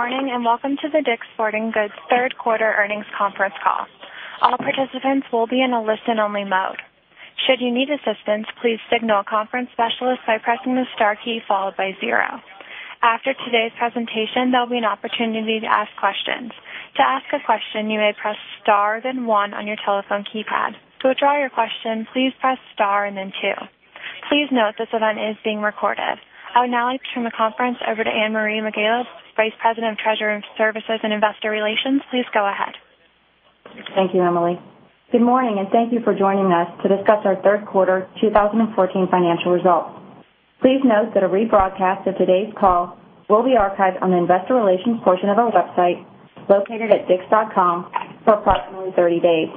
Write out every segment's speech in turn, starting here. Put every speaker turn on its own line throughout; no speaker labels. Good morning, and welcome to the DICK'S Sporting Goods third quarter earnings conference call. All participants will be in a listen-only mode. Should you need assistance, please signal a conference specialist by pressing the star key, followed by zero. After today's presentation, there will be an opportunity to ask questions. To ask a question, you may press star, then one on your telephone keypad. To withdraw your question, please press star, and then two. Please note this event is being recorded. I would now like to turn the conference over to Anne Marie McGeown, Vice President of Treasury Services and Investor Relations. Please go ahead.
Thank you, Emily. Good morning, and thank you for joining us to discuss our third quarter 2014 financial results. Please note that a rebroadcast of today's call will be archived on the investor relations portion of our website, located at dicks.com, for approximately 30 days.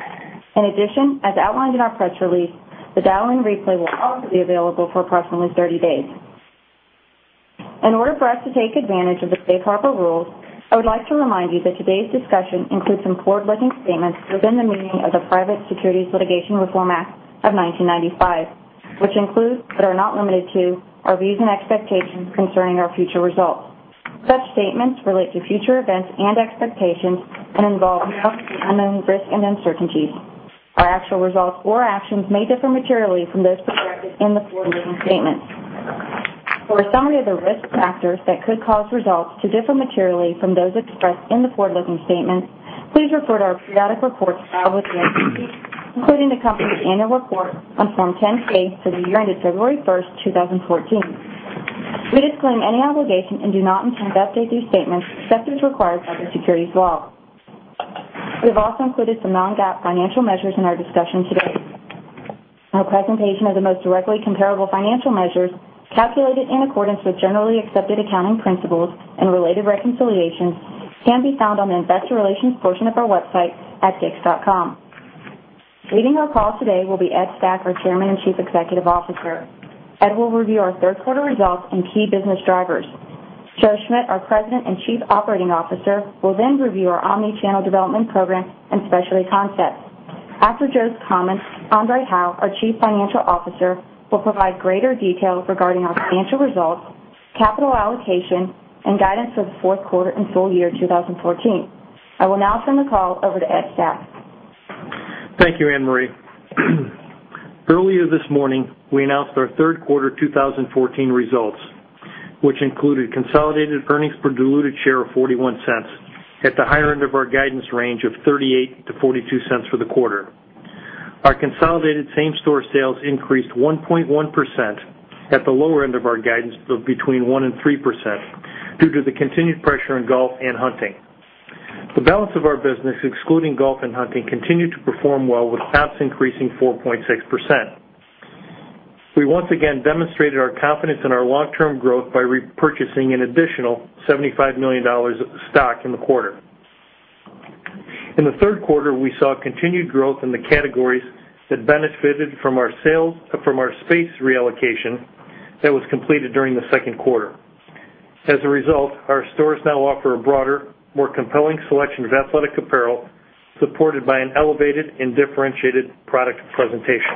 In addition, as outlined in our press release, the dial-in replay will also be available for approximately 30 days. In order for us to take advantage of the safe harbor rules, I would like to remind you that today's discussion includes some forward-looking statements within the meaning of the Private Securities Litigation Reform Act of 1995, which include, but are not limited to, our views and expectations concerning our future results. Such statements relate to future events and expectations and involve a number of unknown risks and uncertainties. Our actual results or actions may differ materially from those expressed in the forward-looking statements. For a summary of the risk factors that could cause results to differ materially from those expressed in the forward-looking statements, please refer to our periodic reports filed with the SEC, including the company's annual report on Form 10-K for the year ended February 1st, 2014. We disclaim any obligation and do not intend to update these statements except as required by the securities law. We have also included some non-GAAP financial measures in our discussion today. Our presentation of the most directly comparable financial measures, calculated in accordance with generally accepted accounting principles and related reconciliations, can be found on the investor relations portion of our website at dicks.com. Leading our call today will be Ed Stack, our Chairman and Chief Executive Officer. Ed will review our third quarter results and key business drivers. Joe Schmidt, our President and Chief Operating Officer, will then review our omni-channel development program and specialty concepts. After Joe's comments, André Hawaux, our Chief Financial Officer, will provide greater details regarding our financial results, capital allocation, and guidance for the fourth quarter and full year 2014. I will now turn the call over to Ed Stack.
Thank you, Anne Marie. Earlier this morning, we announced our third quarter 2014 results, which included consolidated earnings per diluted share of $0.41, at the higher end of our guidance range of $0.38-$0.42 for the quarter. Our consolidated same-store sales increased 1.1%, at the lower end of our guidance of between 1% and 3%, due to the continued pressure in golf and hunting. The balance of our business, excluding golf and hunting, continued to perform well, with comps increasing 4.6%. We once again demonstrated our confidence in our long-term growth by repurchasing an additional $75 million of stock in the quarter. In the third quarter, we saw continued growth in the categories that benefited from our space reallocation that was completed during the second quarter. As a result, our stores now offer a broader, more compelling selection of athletic apparel, supported by an elevated and differentiated product presentation.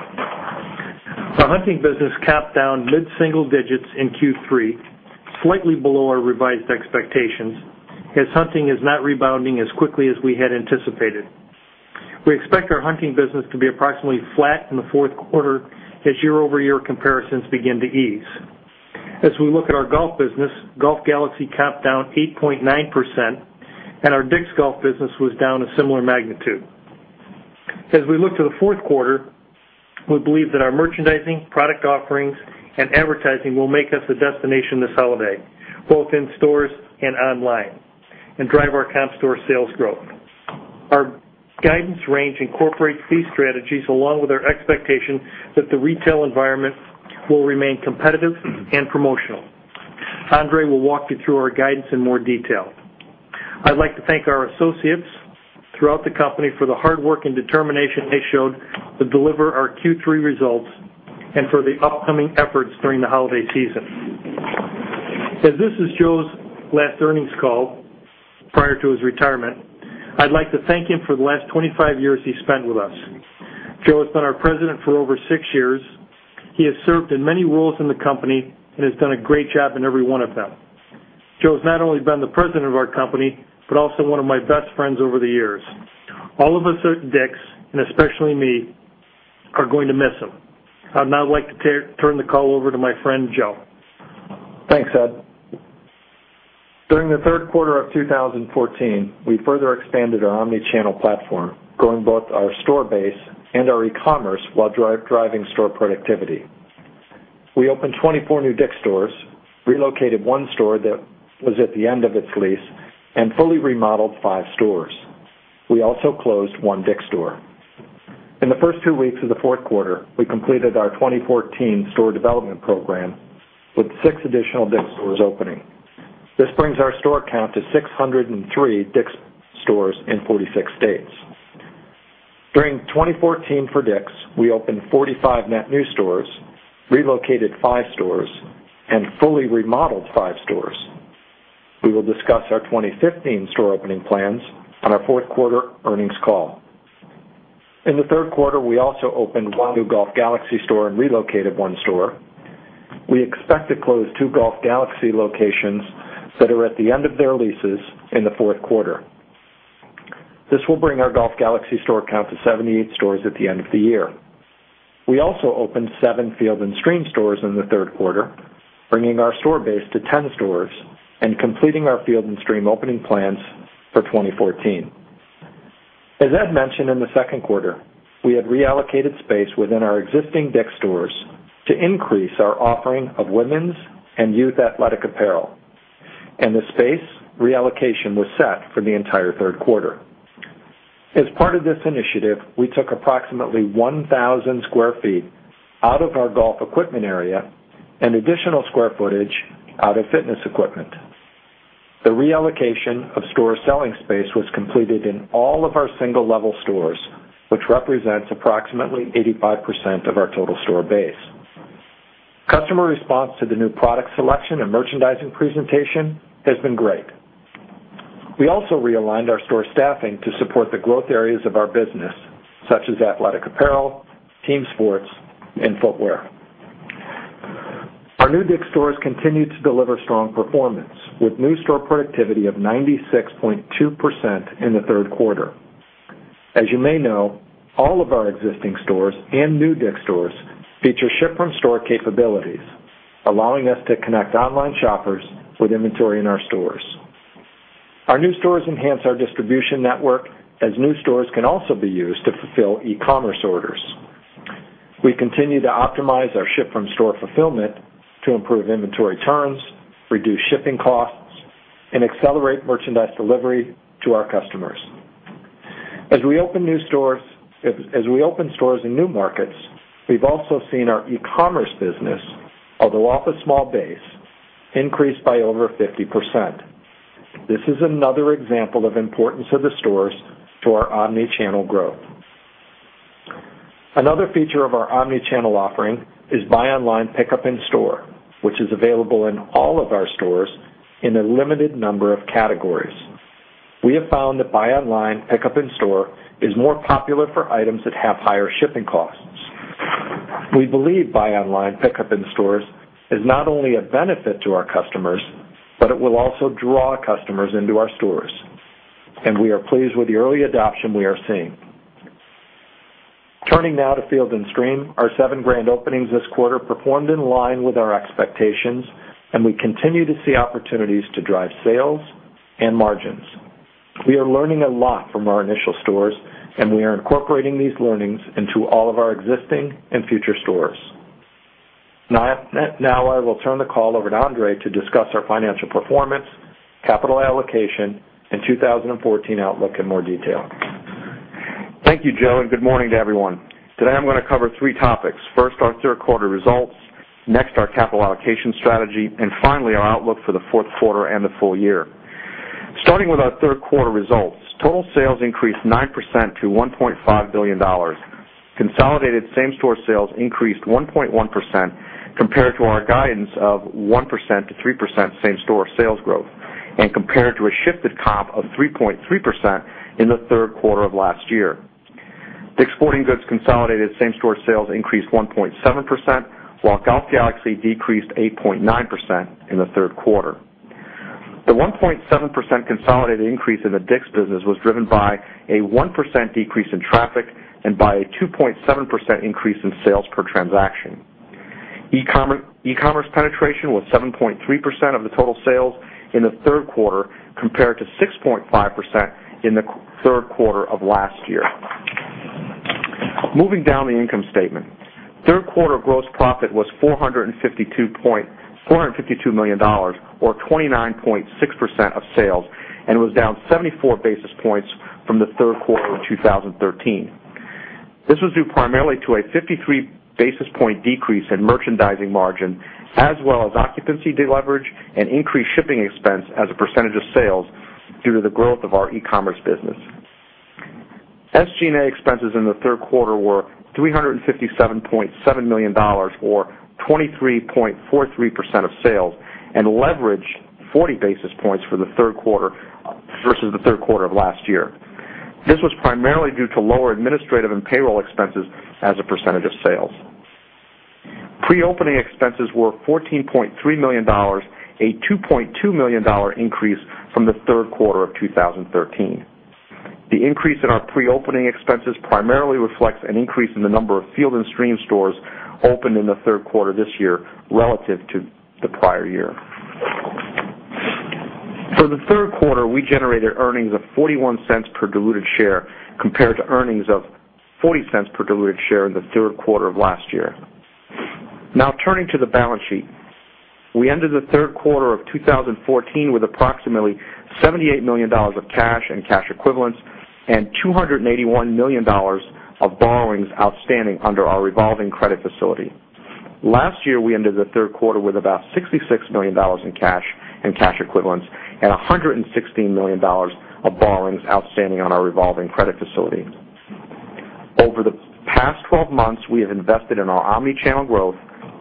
Our hunting business comped down mid-single digits in Q3, slightly below our revised expectations, as hunting is not rebounding as quickly as we had anticipated. We expect our hunting business to be approximately flat in the fourth quarter as year-over-year comparisons begin to ease. As we look at our golf business, Golf Galaxy comped down 8.9%, and our DICK'S Golf business was down a similar magnitude. As we look to the fourth quarter, we believe that our merchandising, product offerings, and advertising will make us a destination this holiday, both in stores and online, and drive our comp store sales growth. Our guidance range incorporates these strategies, along with our expectation that the retail environment will remain competitive and promotional. André will walk you through our guidance in more detail. I'd like to thank our associates throughout the company for the hard work and determination they showed to deliver our Q3 results and for the upcoming efforts during the holiday season. As this is Joe's last earnings call prior to his retirement, I'd like to thank him for the last 25 years he spent with us. Joe has been our president for over six years. He has served in many roles in the company and has done a great job in every one of them. Joe's not only been the president of our company, but also one of my best friends over the years. All of us at DICK'S, and especially me, are going to miss him. I'd now like to turn the call over to my friend, Joe.
Thanks, Ed. During the third quarter of 2014, we further expanded our omni-channel platform, growing both our store base and our e-commerce while driving store productivity. We opened 24 new DICK'S stores, relocated one store that was at the end of its lease, and fully remodeled five stores. We also closed one DICK'S store. In the first two weeks of the fourth quarter, we completed our 2014 store development program with six additional DICK'S stores opening. This brings our store count to 603 DICK'S stores in 46 states. During 2014 for DICK'S, we opened 45 net new stores, relocated five stores, and fully remodeled five stores. We will discuss our 2015 store opening plans on our fourth quarter earnings call In the third quarter, we also opened one new Golf Galaxy store and relocated one store. We expect to close two Golf Galaxy locations that are at the end of their leases in the fourth quarter. This will bring our Golf Galaxy store count to 78 stores at the end of the year. We also opened seven Field & Stream stores in the third quarter, bringing our store base to 10 stores and completing our Field & Stream opening plans for 2014. As Ed mentioned in the second quarter, we had reallocated space within our existing DICK'S stores to increase our offering of women's and youth athletic apparel, and the space reallocation was set for the entire third quarter. As part of this initiative, we took approximately 1,000 sq ft out of our golf equipment area and additional square footage out of fitness equipment. The reallocation of store selling space was completed in all of our single-level stores, which represents approximately 85% of our total store base. Customer response to the new product selection and merchandising presentation has been great. We also realigned our store staffing to support the growth areas of our business, such as athletic apparel, team sports, and footwear. Our new DICK'S stores continue to deliver strong performance, with new store productivity of 96.2% in the third quarter. As you may know, all of our existing stores and new DICK'S stores feature ship from store capabilities, allowing us to connect online shoppers with inventory in our stores. Our new stores enhance our distribution network as new stores can also be used to fulfill e-commerce orders. We continue to optimize our ship from store fulfillment to improve inventory turns, reduce shipping costs, and accelerate merchandise delivery to our customers. As we open stores in new markets, we've also seen our e-commerce business, although off a small base, increase by over 50%. This is another example of importance of the stores to our omni-channel growth. Another feature of our omni-channel offering is buy online pickup in store, which is available in all of our stores in a limited number of categories. We have found that buy online pickup in store is more popular for items that have higher shipping costs. We believe buy online pickup in stores is not only a benefit to our customers, but it will also draw customers into our stores, and we are pleased with the early adoption we are seeing. Turning now to Field & Stream. Our seven grand openings this quarter performed in line with our expectations, and we continue to see opportunities to drive sales and margins. We are learning a lot from our initial stores, and we are incorporating these learnings into all of our existing and future stores. Now, I will turn the call over to André to discuss our financial performance, capital allocation, and 2014 outlook in more detail.
Thank you, Joe, and good morning to everyone. Today, I'm going to cover three topics. First, our third quarter results. Next, our capital allocation strategy. Finally, our outlook for the fourth quarter and the full year. Starting with our third quarter results, total sales increased 9% to $1.5 billion. Consolidated same-store sales increased 1.1% compared to our guidance of 1%-3% same-store sales growth and compared to a shifted comp of 3.3% in the third quarter of last year. DICK'S Sporting Goods consolidated same-store sales increased 1.7%, while Golf Galaxy decreased 8.9% in the third quarter. The 1.7% consolidated increase in the DICK'S business was driven by a 1% decrease in traffic and by a 2.7% increase in sales per transaction. e-commerce penetration was 7.3% of the total sales in the third quarter, compared to 6.5% in the third quarter of last year. Moving down the income statement. Third quarter gross profit was $452 million or 29.6% of sales and was down 74 basis points from the third quarter in 2013. This was due primarily to a 53 basis point decrease in merchandising margin, as well as occupancy deleverage and increased shipping expense as a percentage of sales due to the growth of our e-commerce business. SG&A expenses in the third quarter were $357.7 million or 23.43% of sales and leveraged 40 basis points for the third quarter versus the third quarter of last year. This was primarily due to lower administrative and payroll expenses as a percentage of sales. Pre-opening expenses were $14.3 million, a $2.2 million increase from the third quarter of 2013. The increase in our pre-opening expenses primarily reflects an increase in the number of Field & Stream stores opened in the third quarter this year relative to the prior year. For the third quarter, we generated earnings of $0.41 per diluted share, compared to earnings of $0.40 per diluted share in the third quarter of last year. Now turning to the balance sheet. We ended the third quarter of 2014 with approximately $78 million of cash and cash equivalents and $281 million of borrowings outstanding under our revolving credit facility. Last year, we ended the third quarter with about $66 million in cash and cash equivalents and $116 million of borrowings outstanding on our revolving credit facility. Over the last 12 months, we have invested in our omni-channel growth,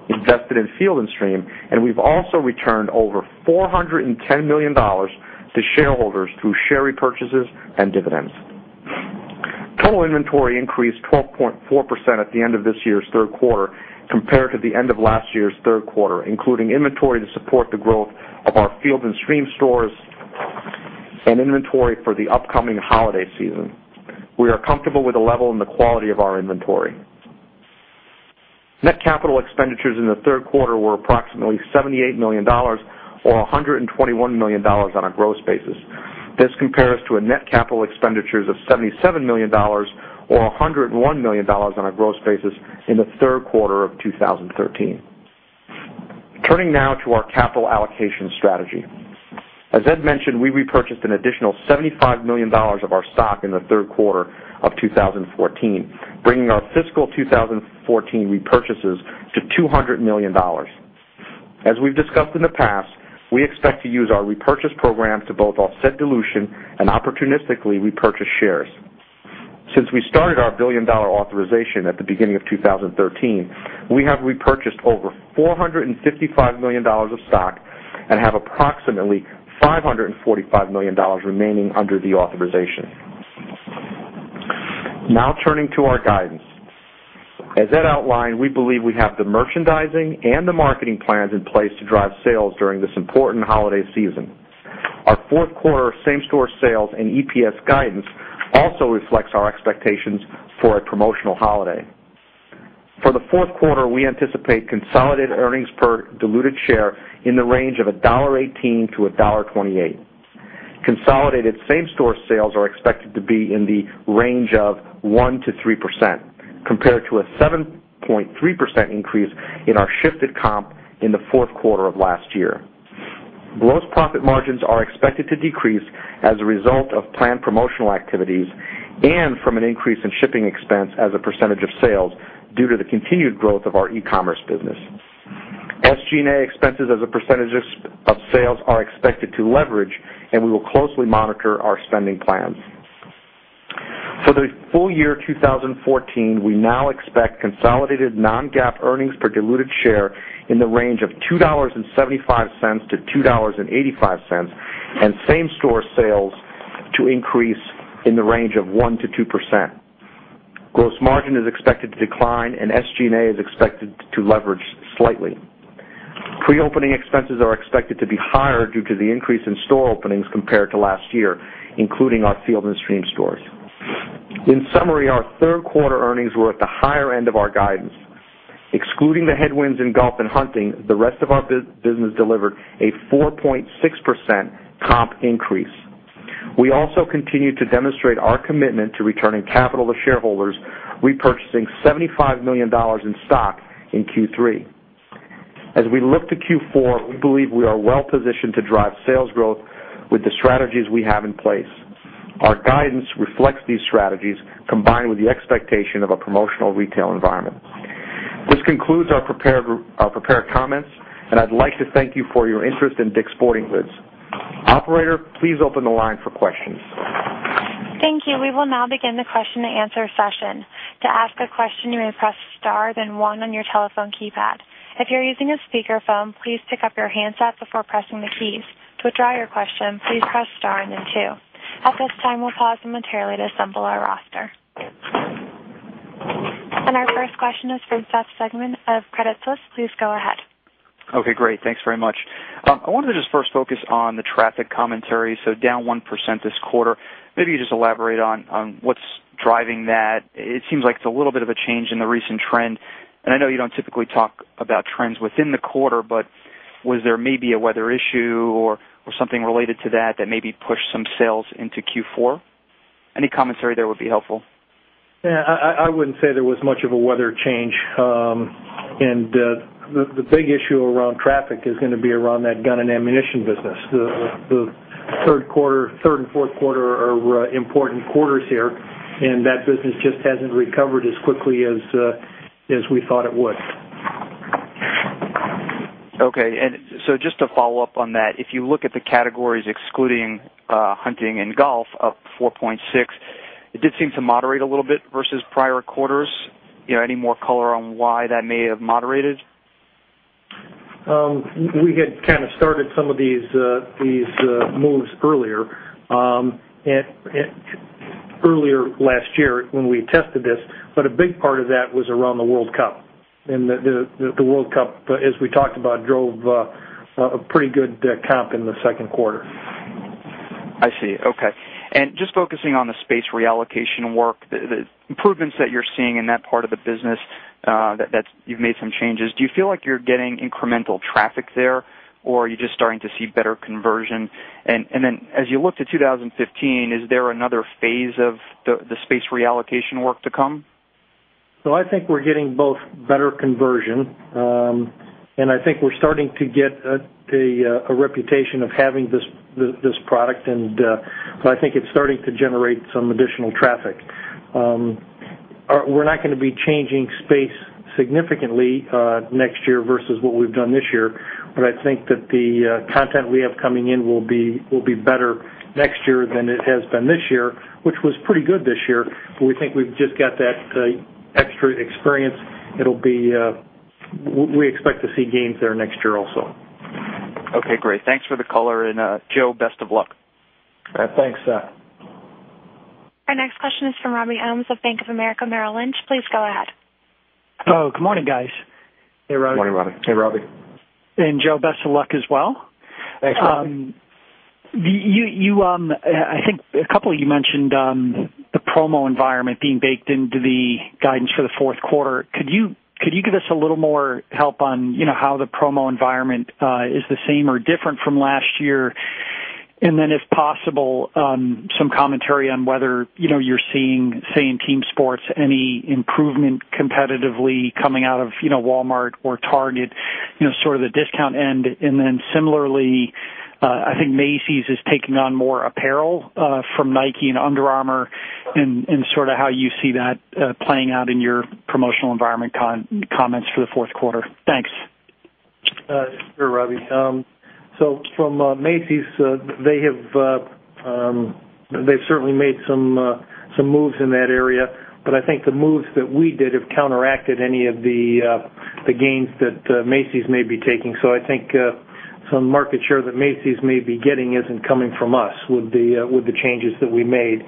invested in Field & Stream, and we've also returned over $410 million to shareholders through share repurchases and dividends. Total inventory increased 12.4% at the end of this year's third quarter compared to the end of last year's third quarter, including inventory to support the growth of our Field & Stream stores and inventory for the upcoming holiday season. We are comfortable with the level and the quality of our inventory. Net capital expenditures in the third quarter were approximately $78 million, or $121 million on a gross basis. This compares to a net capital expenditures of $77 million, or $101 million on a gross basis in the third quarter of 2013. Turning now to our capital allocation strategy. As Ed mentioned, we repurchased an additional $75 million of our stock in the third quarter of 2014, bringing our fiscal 2014 repurchases to $200 million. As we've discussed in the past, we expect to use our repurchase program to both offset dilution and opportunistically repurchase shares. Since we started our billion-dollar authorization at the beginning of 2013, we have repurchased over $455 million of stock and have approximately $545 million remaining under the authorization. Turning to our guidance. As Ed outlined, we believe we have the merchandising and the marketing plans in place to drive sales during this important holiday season. Our fourth quarter same-store sales and EPS guidance also reflects our expectations for a promotional holiday. For the fourth quarter, we anticipate consolidated earnings per diluted share in the range of $1.18-$1.28. Consolidated same-store sales are expected to be in the range of 1%-3%, compared to a 7.3% increase in our shifted comp in the fourth quarter of last year. Gross profit margins are expected to decrease as a result of planned promotional activities and from an increase in shipping expense as a percentage of sales due to the continued growth of our e-commerce business. SG&A expenses as a percentage of sales are expected to leverage. We will closely monitor our spending plans. For the full year 2014, we now expect consolidated non-GAAP earnings per diluted share in the range of $2.75-$2.85 and same-store sales to increase in the range of 1%-2%. Gross margin is expected to decline and SG&A is expected to leverage slightly. Pre-opening expenses are expected to be higher due to the increase in store openings compared to last year, including our Field & Stream stores. In summary, our third quarter earnings were at the higher end of our guidance. Excluding the headwinds in golf and hunting, the rest of our business delivered a 4.6% comp increase. We also continue to demonstrate our commitment to returning capital to shareholders, repurchasing $75 million in stock in Q3. We look to Q4, we believe we are well positioned to drive sales growth with the strategies we have in place. Our guidance reflects these strategies, combined with the expectation of a promotional retail environment. This concludes our prepared comments. I'd like to thank you for your interest in DICK'S Sporting Goods. Operator, please open the line for questions.
Thank you. We will now begin the question and answer session. To ask a question, you may press star then one on your telephone keypad. If you're using a speakerphone, please pick up your handset before pressing the keys. To withdraw your question, please press star and then two. At this time, we'll pause momentarily to assemble our roster. Our first question is from Seth Sigman of Credit Suisse. Please go ahead.
Okay. Great. Thanks very much. I wanted to just first focus on the traffic commentary, down 1% this quarter. Maybe you just elaborate on what's driving that. It seems like it's a little bit of a change in the recent trend, and I know you don't typically talk about trends within the quarter, but was there maybe a weather issue or something related to that that maybe pushed some sales into Q4? Any commentary there would be helpful.
Yeah, I wouldn't say there was much of a weather change. The big issue around traffic is going to be around that gun and ammunition business. The third and fourth quarter are important quarters here, and that business just hasn't recovered as quickly as we thought it would.
Okay. Just to follow up on that, if you look at the categories excluding hunting and golf, up 4.6%, it did seem to moderate a little bit versus prior quarters. Any more color on why that may have moderated?
We had kind of started some of these moves earlier last year when we tested this, but a big part of that was around the World Cup. The World Cup, as we talked about, drove a pretty good comp in the second quarter.
I see. Okay. Just focusing on the space reallocation work, the improvements that you're seeing in that part of the business that you've made some changes, do you feel like you're getting incremental traffic there, or are you just starting to see better conversion? Then as you look to 2015, is there another phase of the space reallocation work to come?
I think we're getting both better conversion, I think we're starting to get a reputation of having this product I think it's starting to generate some additional traffic. We're not going to be changing space
significantly next year versus what we've done this year. I think that the content we have coming in will be better next year than it has been this year, which was pretty good this year. We think we've just got that extra experience. We expect to see gains there next year also.
Okay, great. Thanks for the color, Joe, best of luck.
Thanks, Seth.
Our next question is from Robert Ohmes of Bank of America Merrill Lynch. Please go ahead.
Oh, good morning, guys.
Hey, Robbie.
Good morning, Robbie.
Hey, Robbie.
Joe, best of luck as well.
Thanks, Robbie.
I think a couple of you mentioned the promo environment being baked into the guidance for the fourth quarter. Could you give us a little more help on how the promo environment is the same or different from last year? If possible, some commentary on whether you're seeing, say, in team sports, any improvement competitively coming out of Walmart or Target, sort of the discount end. Similarly, I think Macy's is taking on more apparel from Nike and Under Armour, and how you see that playing out in your promotional environment comments for the fourth quarter. Thanks.
Sure, Robbie. From Macy's, they've certainly made some moves in that area, but I think the moves that we did have counteracted any of the gains that Macy's may be taking. I think some market share that Macy's may be getting isn't coming from us, with the changes that we made.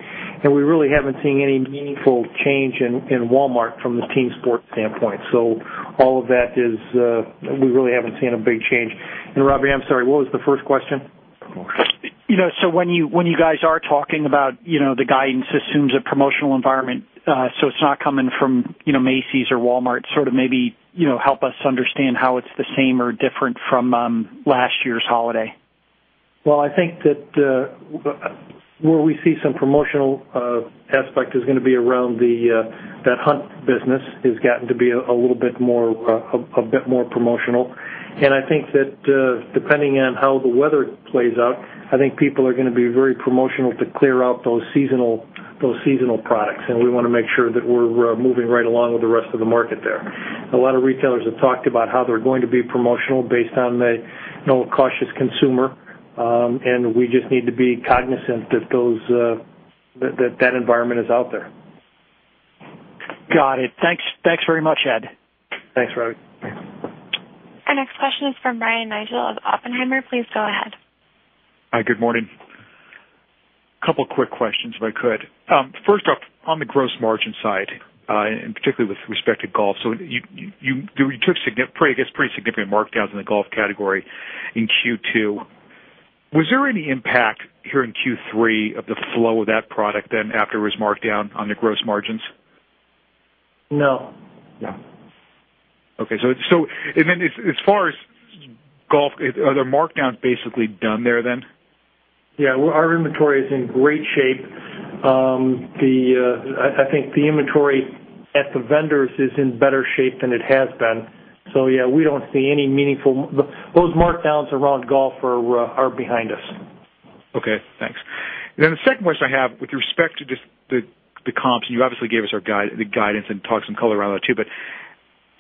We really haven't seen any meaningful change in Walmart from the team sports standpoint. All of that is, we really haven't seen a big change. Robbie, I'm sorry, what was the first question?
When you guys are talking about the guidance assumes a promotional environment, it's not coming from Macy's or Walmart. Maybe, help us understand how it's the same or different from last year's holiday.
Well, I think that where we see some promotional aspect is going to be around that hunt business, has gotten to be a bit more promotional. I think that depending on how the weather plays out, I think people are going to be very promotional to clear out those seasonal products. We want to make sure that we're moving right along with the rest of the market there. A lot of retailers have talked about how they're going to be promotional based on the cautious consumer. We just need to be cognizant that that environment is out there.
Got it. Thanks very much, Ed.
Thanks, Robbie.
Our next question is from Brian Nagel of Oppenheimer. Please go ahead.
Hi, good morning. Couple quick questions, if I could. First off, on the gross margin side, and particularly with respect to golf. You took, I guess, pretty significant markdowns in the golf category in Q2. Was there any impact here in Q3 of the flow of that product then after it was marked down on the gross margins?
No.
Okay. As far as Golf, are the markdowns basically done there, then?
Our inventory is in great shape. I think the inventory at the vendors is in better shape than it has been. We don't see any. Those markdowns around Golf are behind us.
Okay, thanks. The second question I have with respect to just the comps. You obviously gave us the guidance and talked some color around that, too, but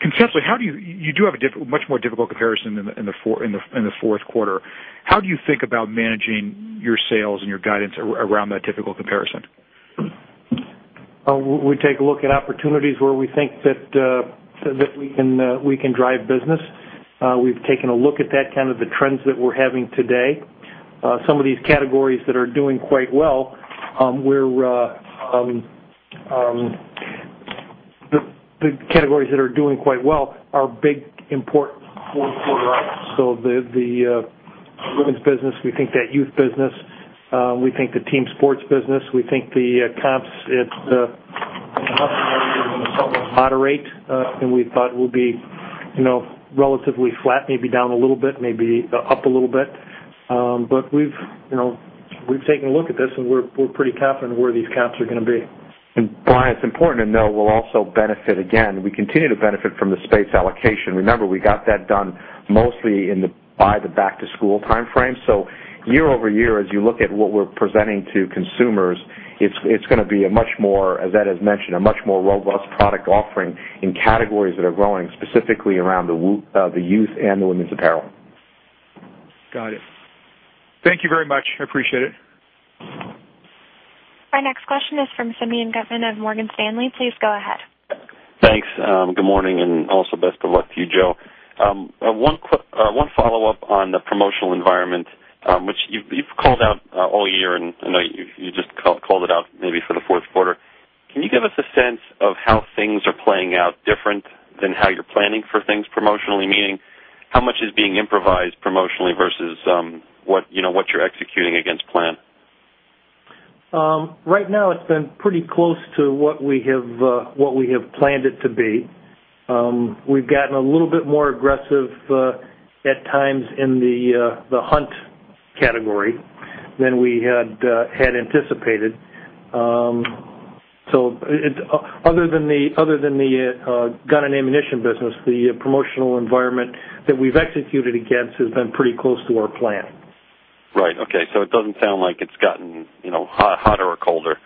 conceptually, you do have a much more difficult comparison in the fourth quarter. How do you think about managing your sales and your guidance around that difficult comparison?
We take a look at opportunities where we think that we can drive business. We've taken a look at that, kind of the trends that we're having today. Some of these categories that are doing quite well, the categories that are doing quite well are big, important for us. The women's business, we think that youth business, we think the team sports business, we think the comps at the Hunt category are going to be somewhat moderate, and we thought will be relatively flat, maybe down a little bit, maybe up a little bit. We've taken a look at this, and we're pretty confident where these comps are going to be.
Brian, it's important to note we will also benefit again. We continue to benefit from the space allocation. Remember, we got that done mostly by the back to school timeframe. Year-over-year, as you look at what we are presenting to consumers, it is going to be, as Ed has mentioned, a much more robust product offering in categories that are growing, specifically around the youth and the women's apparel.
Got it. Thank you very much. I appreciate it.
Our next question is from Simeon Gutman of Morgan Stanley. Please go ahead.
Thanks. Good morning, also best of luck to you, Joe. One follow-up on the promotional environment, which you have called out all year, I know you just called it out maybe for the fourth quarter. Can you give us a sense of how things are playing out different than how you are planning for things promotionally? Meaning, how much is being improvised promotionally versus what you are executing against plan?
Right now, it's been pretty close to what we have planned it to be. We've gotten a little bit more aggressive at times in the hunt category than we had anticipated. Other than the gun and ammunition business, the promotional environment that we've executed against has been pretty close to our plan.
Right. Okay. It doesn't sound like it's gotten hotter or colder.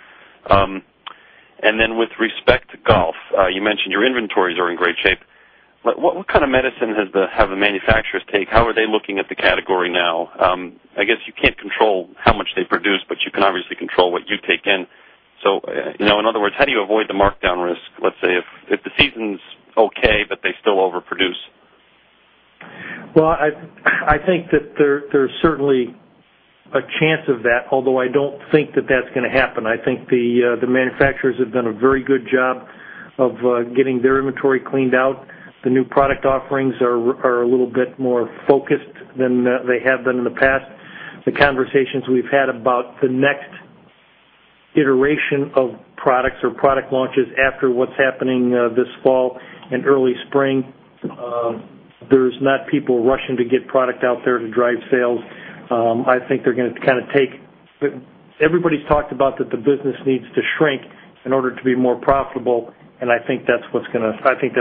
With respect to golf, you mentioned your inventories are in great shape. What kind of medicine have the manufacturers take? How are they looking at the category now? I guess you can't control how much they produce, but you can obviously control what you take in. In other words, how do you avoid the markdown risk, let's say, if the season's okay, but they still overproduce?
Well, I think that there's certainly a chance of that, although I don't think that that's going to happen. I think the manufacturers have done a very good job of getting their inventory cleaned out. The new product offerings are a little bit more focused than they have been in the past. The conversations we've had about the next iteration of products or product launches after what's happening this fall and early spring, there's not people rushing to get product out there to drive sales. Everybody's talked about that the business needs to shrink in order to be more profitable, and I think that's what's going to happen.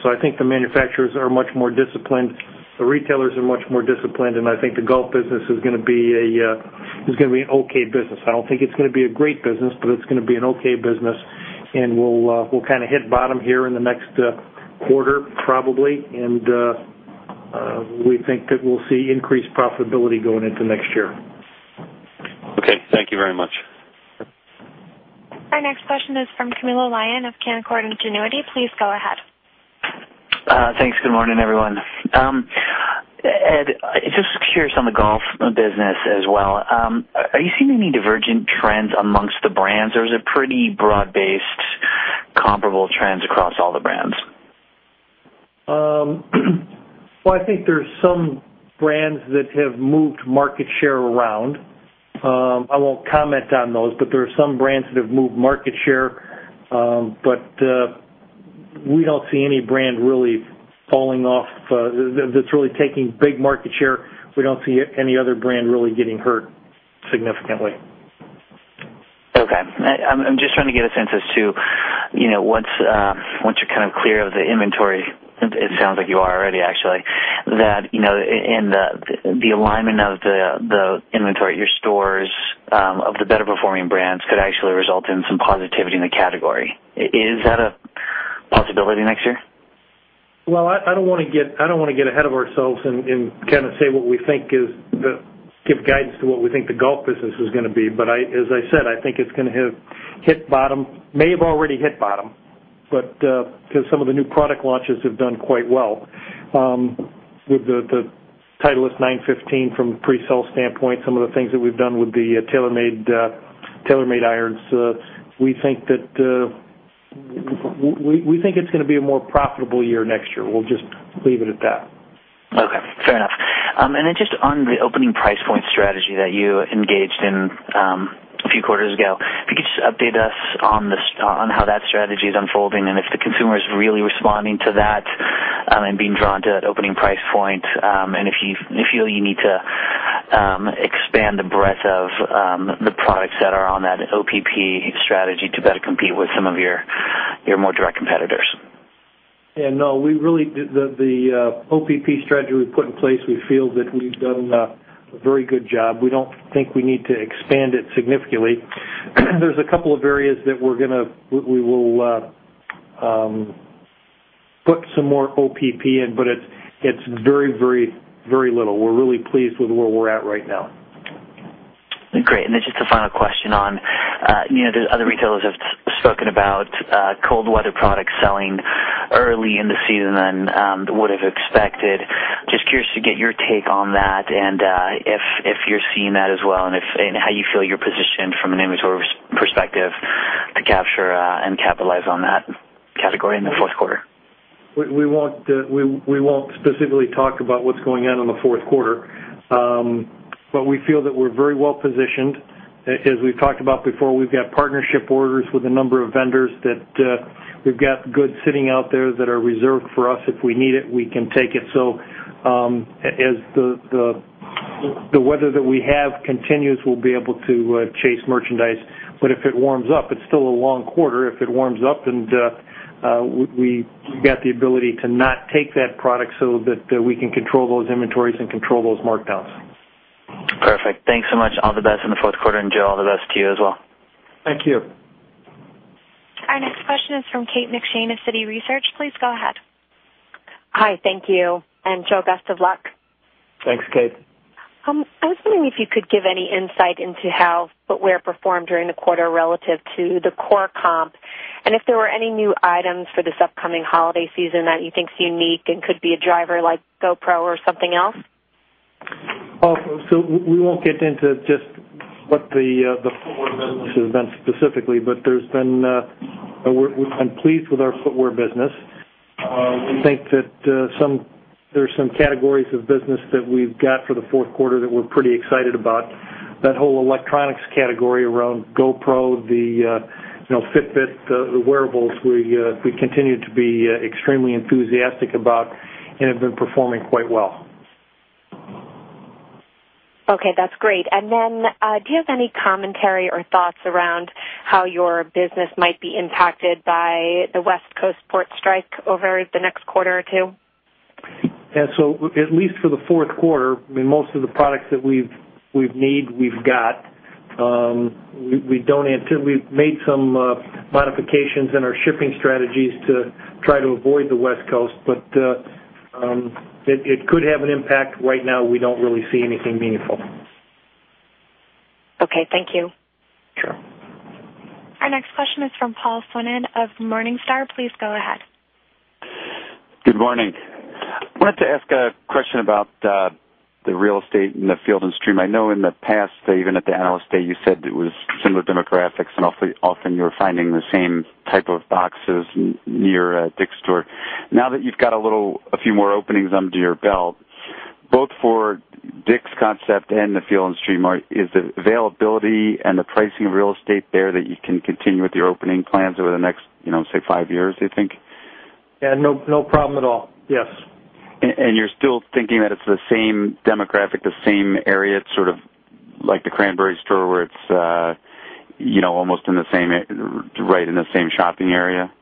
I think the manufacturers are much more disciplined. The retailers are much more disciplined, and I think the golf business is going to be an okay business. I don't think it's going to be a great business, but it's going to be an okay business, and we'll hit bottom here in the next quarter probably, and we think that we'll see increased profitability going into next year.
Okay. Thank you very much.
Our next question is from Camilo Lyon of Canaccord Genuity. Please go ahead.
Thanks. Good morning, everyone. Ed, just curious on the golf business as well. Are you seeing any divergent trends amongst the brands, or is it pretty broad-based comparable trends across all the brands?
I think there's some brands that have moved market share around. I won't comment on those, but there are some brands that have moved market share. We don't see any brand really falling off that's really taking big market share. We don't see any other brand really getting hurt significantly.
Okay. I'm just trying to get a sense as to once you're kind of clear of the inventory, it sounds like you are already, actually, and the alignment of the inventory at your stores of the better-performing brands could actually result in some positivity in the category. Is that a possibility next year?
Well, I don't want to get ahead of ourselves and give guidance to what we think the golf business is going to be. As I said, I think it may have already hit bottom. Some of the new product launches have done quite well. With the Titleist 915 from a pre-sale standpoint, some of the things that we've done with the TaylorMade irons, we think it's going to be a more profitable year next year. We'll just leave it at that.
Okay. Fair enough. Just on the opening price point strategy that you engaged in a few quarters ago, if you could just update us on how that strategy is unfolding and if the consumer is really responding to that and being drawn to that opening price point, and if you feel you need to expand the breadth of the products that are on that OPP strategy to better compete with some of your more direct competitors.
No. The OPP strategy we put in place, we feel that we've done a very good job. We don't think we need to expand it significantly. There's a couple of areas that we will put some more OPP in, but it's very little. We're really pleased with where we're at right now.
Great. Just a final question on the other retailers have spoken about cold weather products selling early in the season than would have expected. Just curious to get your take on that and if you're seeing that as well and how you feel you're positioned from an inventory perspective to capture and capitalize on that category in the fourth quarter.
We won't specifically talk about what's going on in the fourth quarter. We feel that we're very well positioned. As we've talked about before, we've got partnership orders with a number of vendors that we've got goods sitting out there that are reserved for us. If we need it, we can take it. As the weather that we have continues, we'll be able to chase merchandise. If it warms up, it's still a long quarter. If it warms up, we've got the ability to not take that product so that we can control those inventories and control those markdowns.
Perfect. Thanks so much. All the best in the fourth quarter. Joe, all the best to you as well.
Thank you.
Our next question is from Kate McShane of Citi Research. Please go ahead.
Hi. Thank you. Joe, best of luck.
Thanks, Kate.
I was wondering if you could give any insight into how footwear performed during the quarter relative to the core comp, and if there were any new items for this upcoming holiday season that you think is unique and could be a driver like GoPro or something else?
We won't get into just what the footwear business has been specifically, but I'm pleased with our footwear business. We think that there's some categories of business that we've got for the fourth quarter that we're pretty excited about. That whole electronics category around GoPro, the Fitbit, the wearables, we continue to be extremely enthusiastic about and have been performing quite well.
Okay, that's great. Do you have any commentary or thoughts around how your business might be impacted by the West Coast port strike over the next quarter or two?
At least for the fourth quarter, most of the products that we've need, we've got. We've made some modifications in our shipping strategies to try to avoid the West Coast, but it could have an impact. Right now, we don't really see anything meaningful.
Okay. Thank you.
Sure.
Our next question is from Paul Swinand of Morningstar. Please go ahead.
Good morning. I wanted to ask a question about the real estate in the Field & Stream. I know in the past that even at the Analyst Day, you said it was similar demographics and often you were finding the same type of boxes near a DICK'S store. Now that you've got a few more openings under your belt, both for DICK'S concept and the Field & Stream, is the availability and the pricing of real estate there that you can continue with your opening plans over the next, say, five years, do you think?
Yeah. No problem at all. Yes.
You're still thinking that it's the same demographic, the same area. It's sort of like the Cranberry store, where it's almost right in the same shopping area?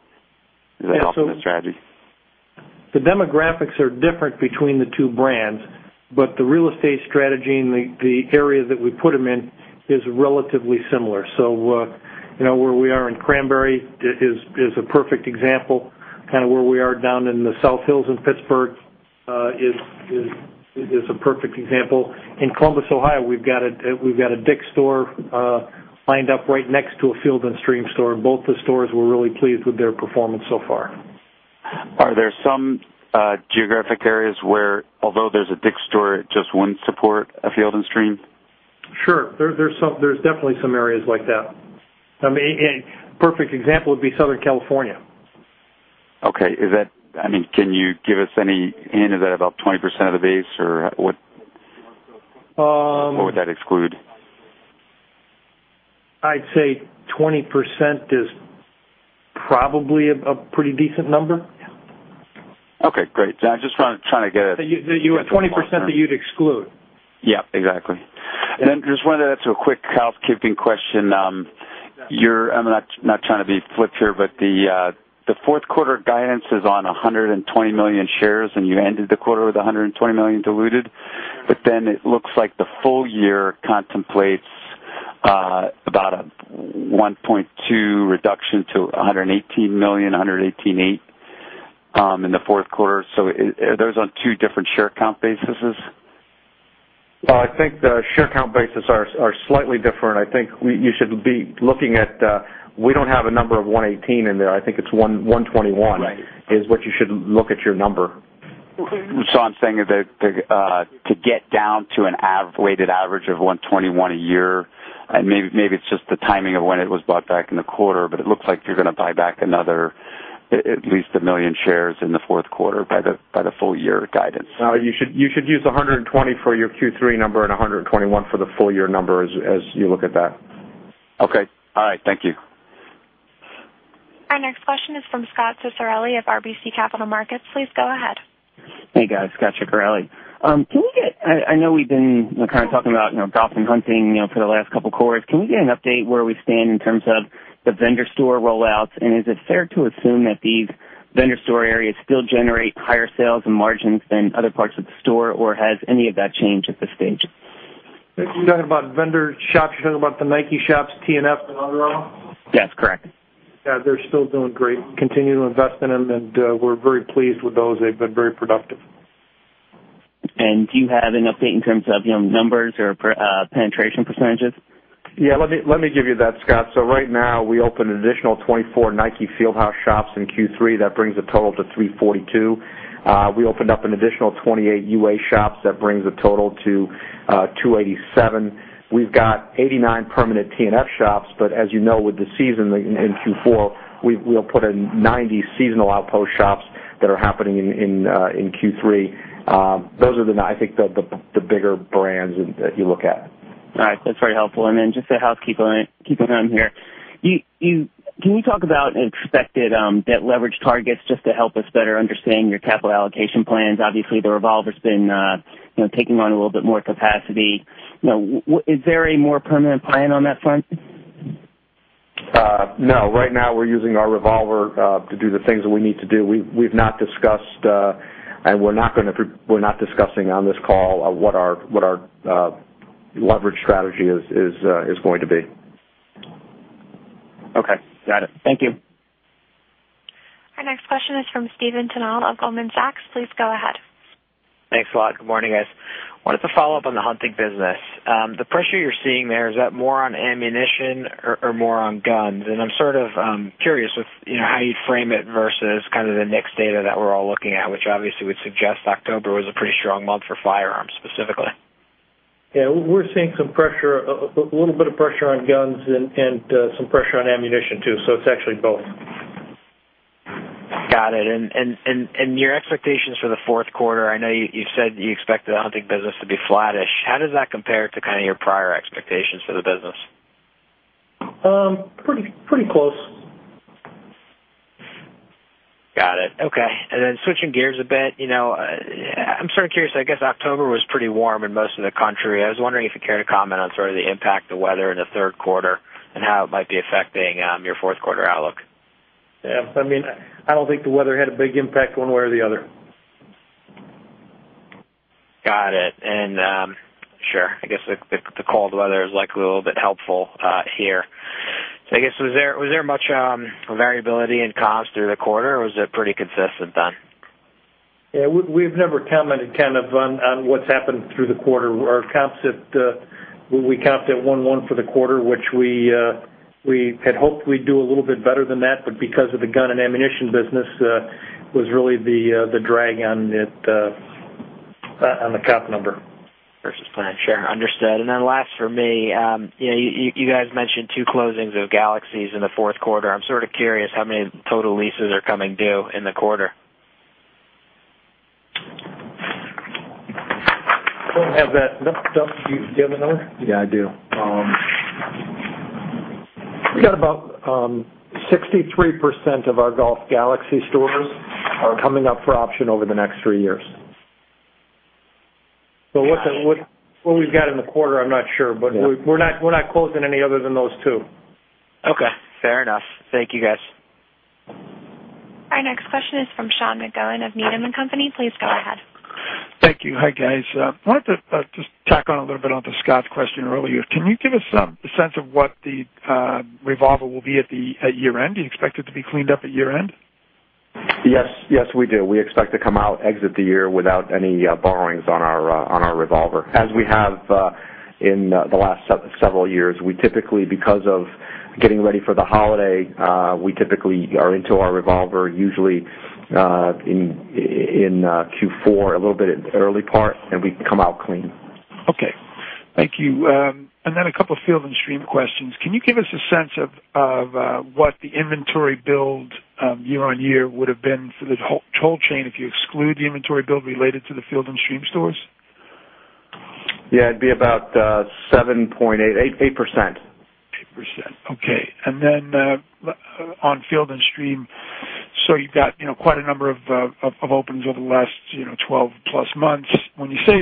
Is that also the strategy?
The demographics are different between the two brands, but the real estate strategy and the area that we put them in is relatively similar. Where we are in Cranberry is a perfect example. Where we are down in the South Hills in Pittsburgh is a perfect example. In Columbus, Ohio, we've got a DICK'S store lined up right next to a Field & Stream store, and both the stores, we're really pleased with their performance so far.
Are there some geographic areas where although there's a DICK'S store, it just wouldn't support a Field & Stream?
Sure. There's definitely some areas like that. A perfect example would be Southern California.
Okay. Can you give us any hint? Is that about 20% of the base or what would that exclude?
I'd say 20% is probably a pretty decent number.
Okay, great. I just wanted to try to get a.
You had 20% that you'd exclude.
Yeah, exactly. Just wanted to ask you a quick housekeeping question. I'm not trying to be flip here, but the fourth quarter guidance is on 120 million shares, and you ended the quarter with 120 million diluted. It looks like the full year contemplates about a 1.2 reduction to 118 million, 118.8 in the fourth quarter. Are those on two different share count bases?
I think the share count bases are slightly different. I think you should be looking at-- We don't have a number of 118 in there. I think it's 121.
Right
is what you should look at your number.
I'm saying that to get down to a weighted average of 121 a year, and maybe it's just the timing of when it was bought back in the quarter, but it looks like you're going to buy back another at least 1 million shares in the fourth quarter by the full year guidance.
No. You should use 120 for your Q3 number and 121 for the full year number as you look at that.
Okay. All right. Thank you.
Our next question is from Scot Ciccarelli of RBC Capital Markets. Please go ahead.
Hey, guys. Scot Ciccarelli. I know we've been kind of talking about golf and hunting for the last couple of quarters. Can we get an update where we stand in terms of the vendor store rollouts? Is it fair to assume that these vendor store areas still generate higher sales and margins than other parts of the store or has any of that changed at this stage?
If you're talking about vendor shops, you're talking about the Nike shops, TNF, and Under Armour?
That's correct.
Yeah, they're still doing great. Continue to invest in them and we're very pleased with those. They've been very productive.
Do you have an update in terms of numbers or penetration percentages?
Yeah. Let me give you that, Scot. Right now we opened an additional 24 Nike Fieldhouse shops in Q3. That brings the total to 342. We opened up an additional 28 UA shops. That brings the total to 287. We've got 89 permanent TNF shops, but as you know, with the season in Q4, we'll put in 90 seasonal outpost shops that are happening in Q3. Those are, I think, the bigger brands that you look at.
All right. That's very helpful. Just a housekeeping item here. Can you talk about expected debt leverage targets just to help us better understand your capital allocation plans? Obviously, the revolver's been taking on a little bit more capacity. Is there a more permanent plan on that front?
No. Right now we're using our revolver to do the things that we need to do. We've not discussed and we're not discussing on this call what our leverage strategy is going to be.
Okay. Got it. Thank you.
Our next question is from Stephen Tanal of Goldman Sachs. Please go ahead.
Thanks a lot. Good morning, guys. Wanted to follow up on the hunting business. The pressure you're seeing there, is that more on ammunition or more on guns? I'm sort of curious with how you frame it versus kind of the NICS data that we're all looking at, which obviously would suggest October was a pretty strong month for firearms specifically.
Yeah, we're seeing a little bit of pressure on guns and some pressure on ammunition, too. It's actually both.
Got it. Your expectations for the fourth quarter, I know you said you expect the hunting business to be flattish. How does that compare to kind of your prior expectations for the business?
Pretty close.
Got it. Okay. Switching gears a bit. I'm sort of curious, I guess October was pretty warm in most of the country. I was wondering if you care to comment on sort of the impact of weather in the third quarter and how it might be affecting your fourth quarter outlook.
Yeah. I don't think the weather had a big impact one way or the other.
Got it. Sure. I guess the cold weather is likely a little bit helpful here. I guess, was there much variability in comps through the quarter, or was it pretty consistent then?
Yeah. We've never commented on what's happened through the quarter. We comped at 1.1 for the quarter, which we had hoped we'd do a little bit better than that, but because of the gun and ammunition business, was really the drag on the comp number.
Versus plan. Sure. Understood. Last for me. You guys mentioned two closings of Golf Galaxys in the fourth quarter. I'm sort of curious how many total leases are coming due in the quarter.
Don't have that. Doug, do you have the number?
Yeah, I do. We got about 63% of our Golf Galaxy stores are coming up for option over the next three years.
What we've got in the quarter, I'm not sure.
Yeah.
We're not closing any other than those two.
Okay. Fair enough. Thank you, guys.
Our next question is from Sean McGowan of Needham & Company. Please go ahead.
Thank you. Hi, guys. I wanted to just tack on a little bit onto Scot's question earlier. Can you give us a sense of what the revolver will be at year-end? Do you expect it to be cleaned up at year-end?
Yes, we do. We expect to come out, exit the year without any borrowings on our revolver. As we have in the last several years, because of getting ready for the holiday, we typically are into our revolver, usually, in Q4, a little bit early part, and we come out clean.
Okay. Thank you. Then a couple Field & Stream questions. Can you give us a sense of what the inventory build year-on-year would've been for the whole chain if you exclude the inventory build related to the Field & Stream stores?
Yeah. It'd be about 8%.
8%. Okay. Then, on Field & Stream, you've got quite a number of opens over the last 12 plus months. When you say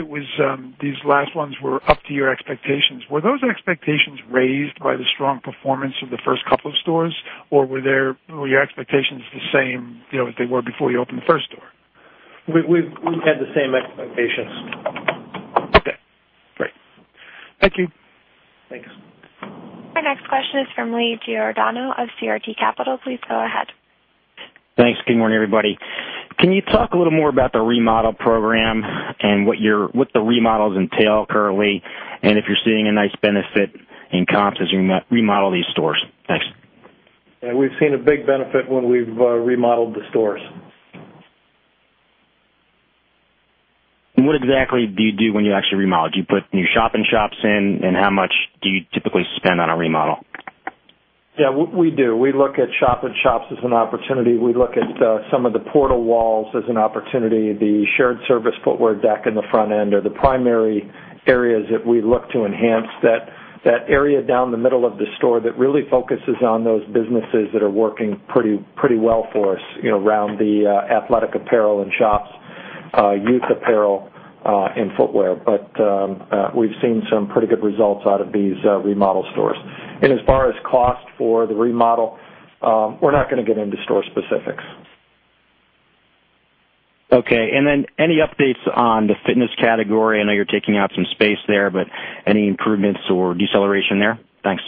these last ones were up to your expectations, were those expectations raised by the strong performance of the first couple of stores, or were your expectations the same as they were before you opened the first store?
We've had the same expectations.
Okay, great. Thank you.
Thanks.
Our next question is from Lee Giordano of CRT Capital. Please go ahead.
Thanks. Good morning, everybody. Can you talk a little more about the remodel program and what the remodels entail currently, and if you're seeing a nice benefit in comps as you remodel these stores? Thanks.
Yeah. We've seen a big benefit when we've remodeled the stores.
What exactly do you do when you actually remodel? Do you put new shop in shops in, and how much do you typically spend on a remodel?
Yeah, we do. We look at shop in shops as an opportunity. We look at some of the portal walls as an opportunity. The shared service footwear deck in the front end are the primary areas that we look to enhance. That area down the middle of the store that really focuses on those businesses that are working pretty well for us around the athletic apparel in shops, youth apparel, and footwear. We've seen some pretty good results out of these remodel stores. As far as cost for the remodel, we're not gonna get into store specifics.
Okay. Any updates on the fitness category? I know you're taking out some space there, any improvements or deceleration there? Thanks.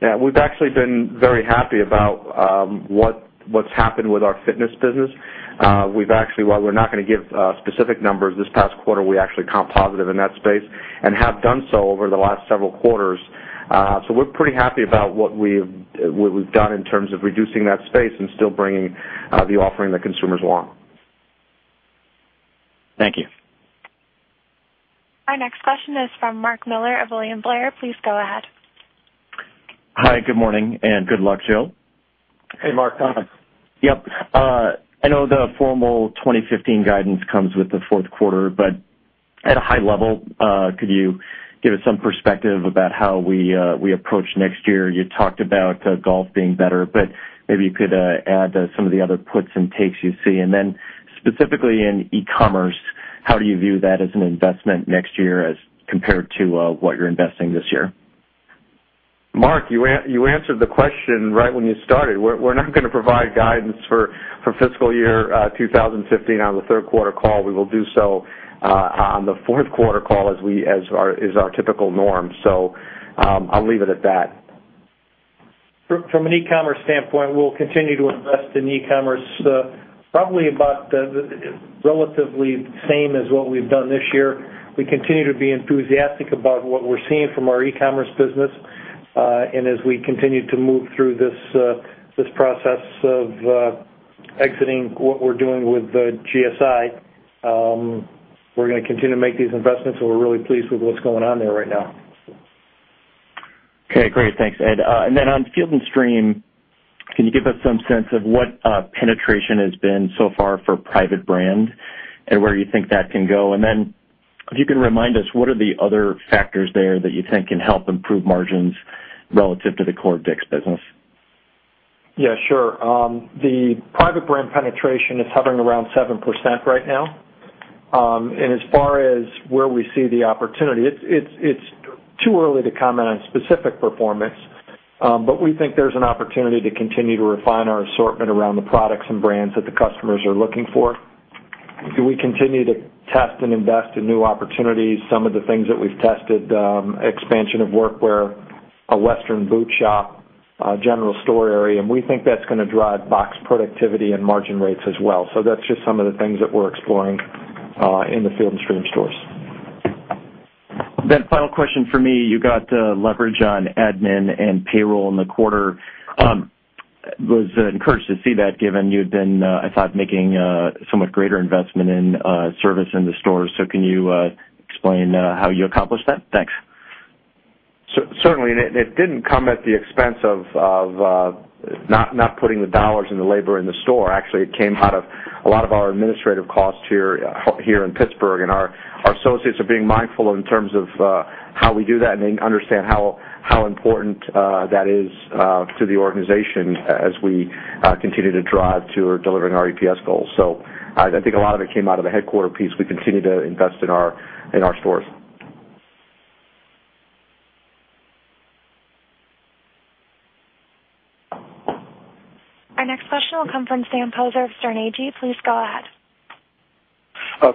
Yeah. We've actually been very happy about what's happened with our fitness business. While we're not gonna give specific numbers this past quarter, we actually comp positive in that space and have done so over the last several quarters. We're pretty happy about what we've done in terms of reducing that space and still bringing the offering that consumers want.
Thank you.
Our next question is from Mark Miller of William Blair. Please go ahead.
Hi, good morning, and good luck, Joe.
Hey, Mark.
Yep. I know the formal 2015 guidance comes with the fourth quarter, but at a high level, could you give us some perspective about how we approach next year? You talked about golf being better, but maybe you could add some of the other puts and takes you see. Specifically in e-commerce, how do you view that as an investment next year as compared to what you're investing this year?
Mark, you answered the question right when you started. We're not gonna provide guidance for fiscal year 2015 on the third quarter call. We will do so on the fourth quarter call as our typical norm. I'll leave it at that.
From an e-commerce standpoint, we'll continue to invest in e-commerce, probably about relatively same as what we've done this year. We continue to be enthusiastic about what we're seeing from our e-commerce business. As we continue to move through this process of exiting what we're doing with GSI, we're gonna continue to make these investments, and we're really pleased with what's going on there right now.
Okay, great. Thanks. On Field & Stream, can you give us some sense of what penetration has been so far for private brand and where you think that can go? If you can remind us, what are the other factors there that you think can help improve margins relative to the core DICK'S business?
Yeah, sure. The private brand penetration is hovering around 7% right now. As far as where we see the opportunity, it's too early to comment on specific performance.
We think there's an opportunity to continue to refine our assortment around the products and brands that the customers are looking for. We continue to test and invest in new opportunities. Some of the things that we've tested, expansion of workwear, a Western boot shop, a general store area, we think that's going to drive box productivity and margin rates as well. That's just some of the things that we're exploring in the Field & Stream stores.
Final question from me. You got leverage on admin and payroll in the quarter. Was encouraged to see that, given you had been, I thought, making a somewhat greater investment in service in the stores. Can you explain how you accomplished that? Thanks.
Certainly. It didn't come at the expense of not putting the dollars and the labor in the store. Actually, it came out of a lot of our administrative costs here in Pittsburgh, and our associates are being mindful in terms of how we do that, and they understand how important that is to the organization as we continue to drive to delivering our EPS goals. I think a lot of it came out of the headquarter piece. We continue to invest in our stores.
Our next question will come from Sam Poser of Sterne Agee. Please go ahead.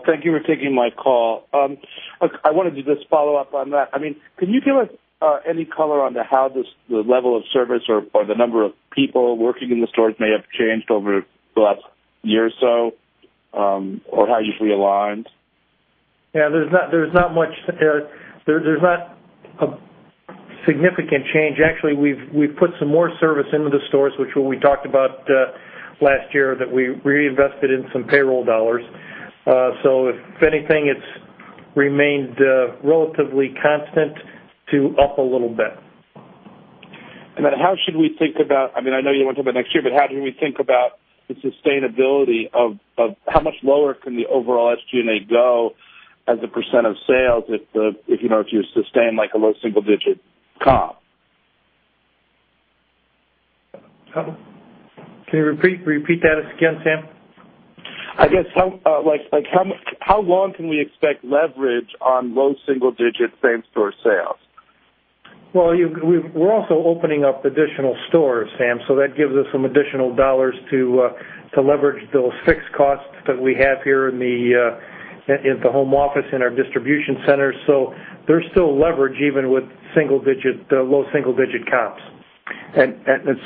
Thank you for taking my call. I wanted to just follow up on that. Can you give us any color on how the level of service or the number of people working in the stores may have changed over the last year or so, or how you've realigned?
Yeah, there's not a significant change. Actually, we've put some more service into the stores, which we talked about last year, that we reinvested in some payroll dollars. If anything, it's remained relatively constant to up a little bit.
How should we think about, I know you won't talk about next year, but how can we think about the sustainability of how much lower can the overall SG&A go as a percent of sales if you sustain a low single-digit comp?
Can you repeat that again, Sam?
I guess, how long can we expect leverage on low single-digit same-store sales?
Well, we're also opening up additional stores, Sam, that gives us some additional dollars to leverage those fixed costs that we have here in the home office and our distribution centers. There's still leverage even with low single-digit comps.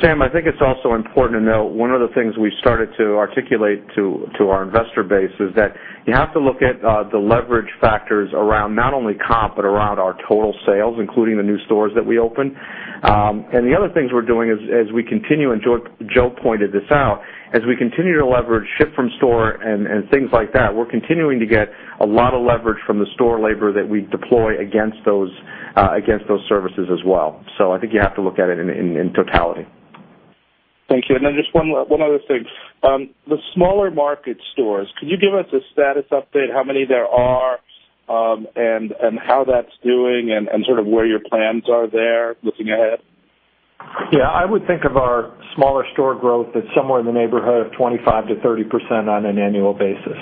Sam, I think it's also important to note, one of the things we started to articulate to our investor base is that you have to look at the leverage factors around not only comp but around our total sales, including the new stores that we open. The other things we're doing is, as we continue, and Joe pointed this out, as we continue to leverage ship from store and things like that, we're continuing to get a lot of leverage from the store labor that we deploy against those services as well. I think you have to look at it in totality.
Thank you. Then just one other thing. The smaller market stores, could you give us a status update, how many there are, and how that's doing and sort of where your plans are there looking ahead?
Yeah. I would think of our smaller store growth at somewhere in the neighborhood of 25%-30% on an annual basis.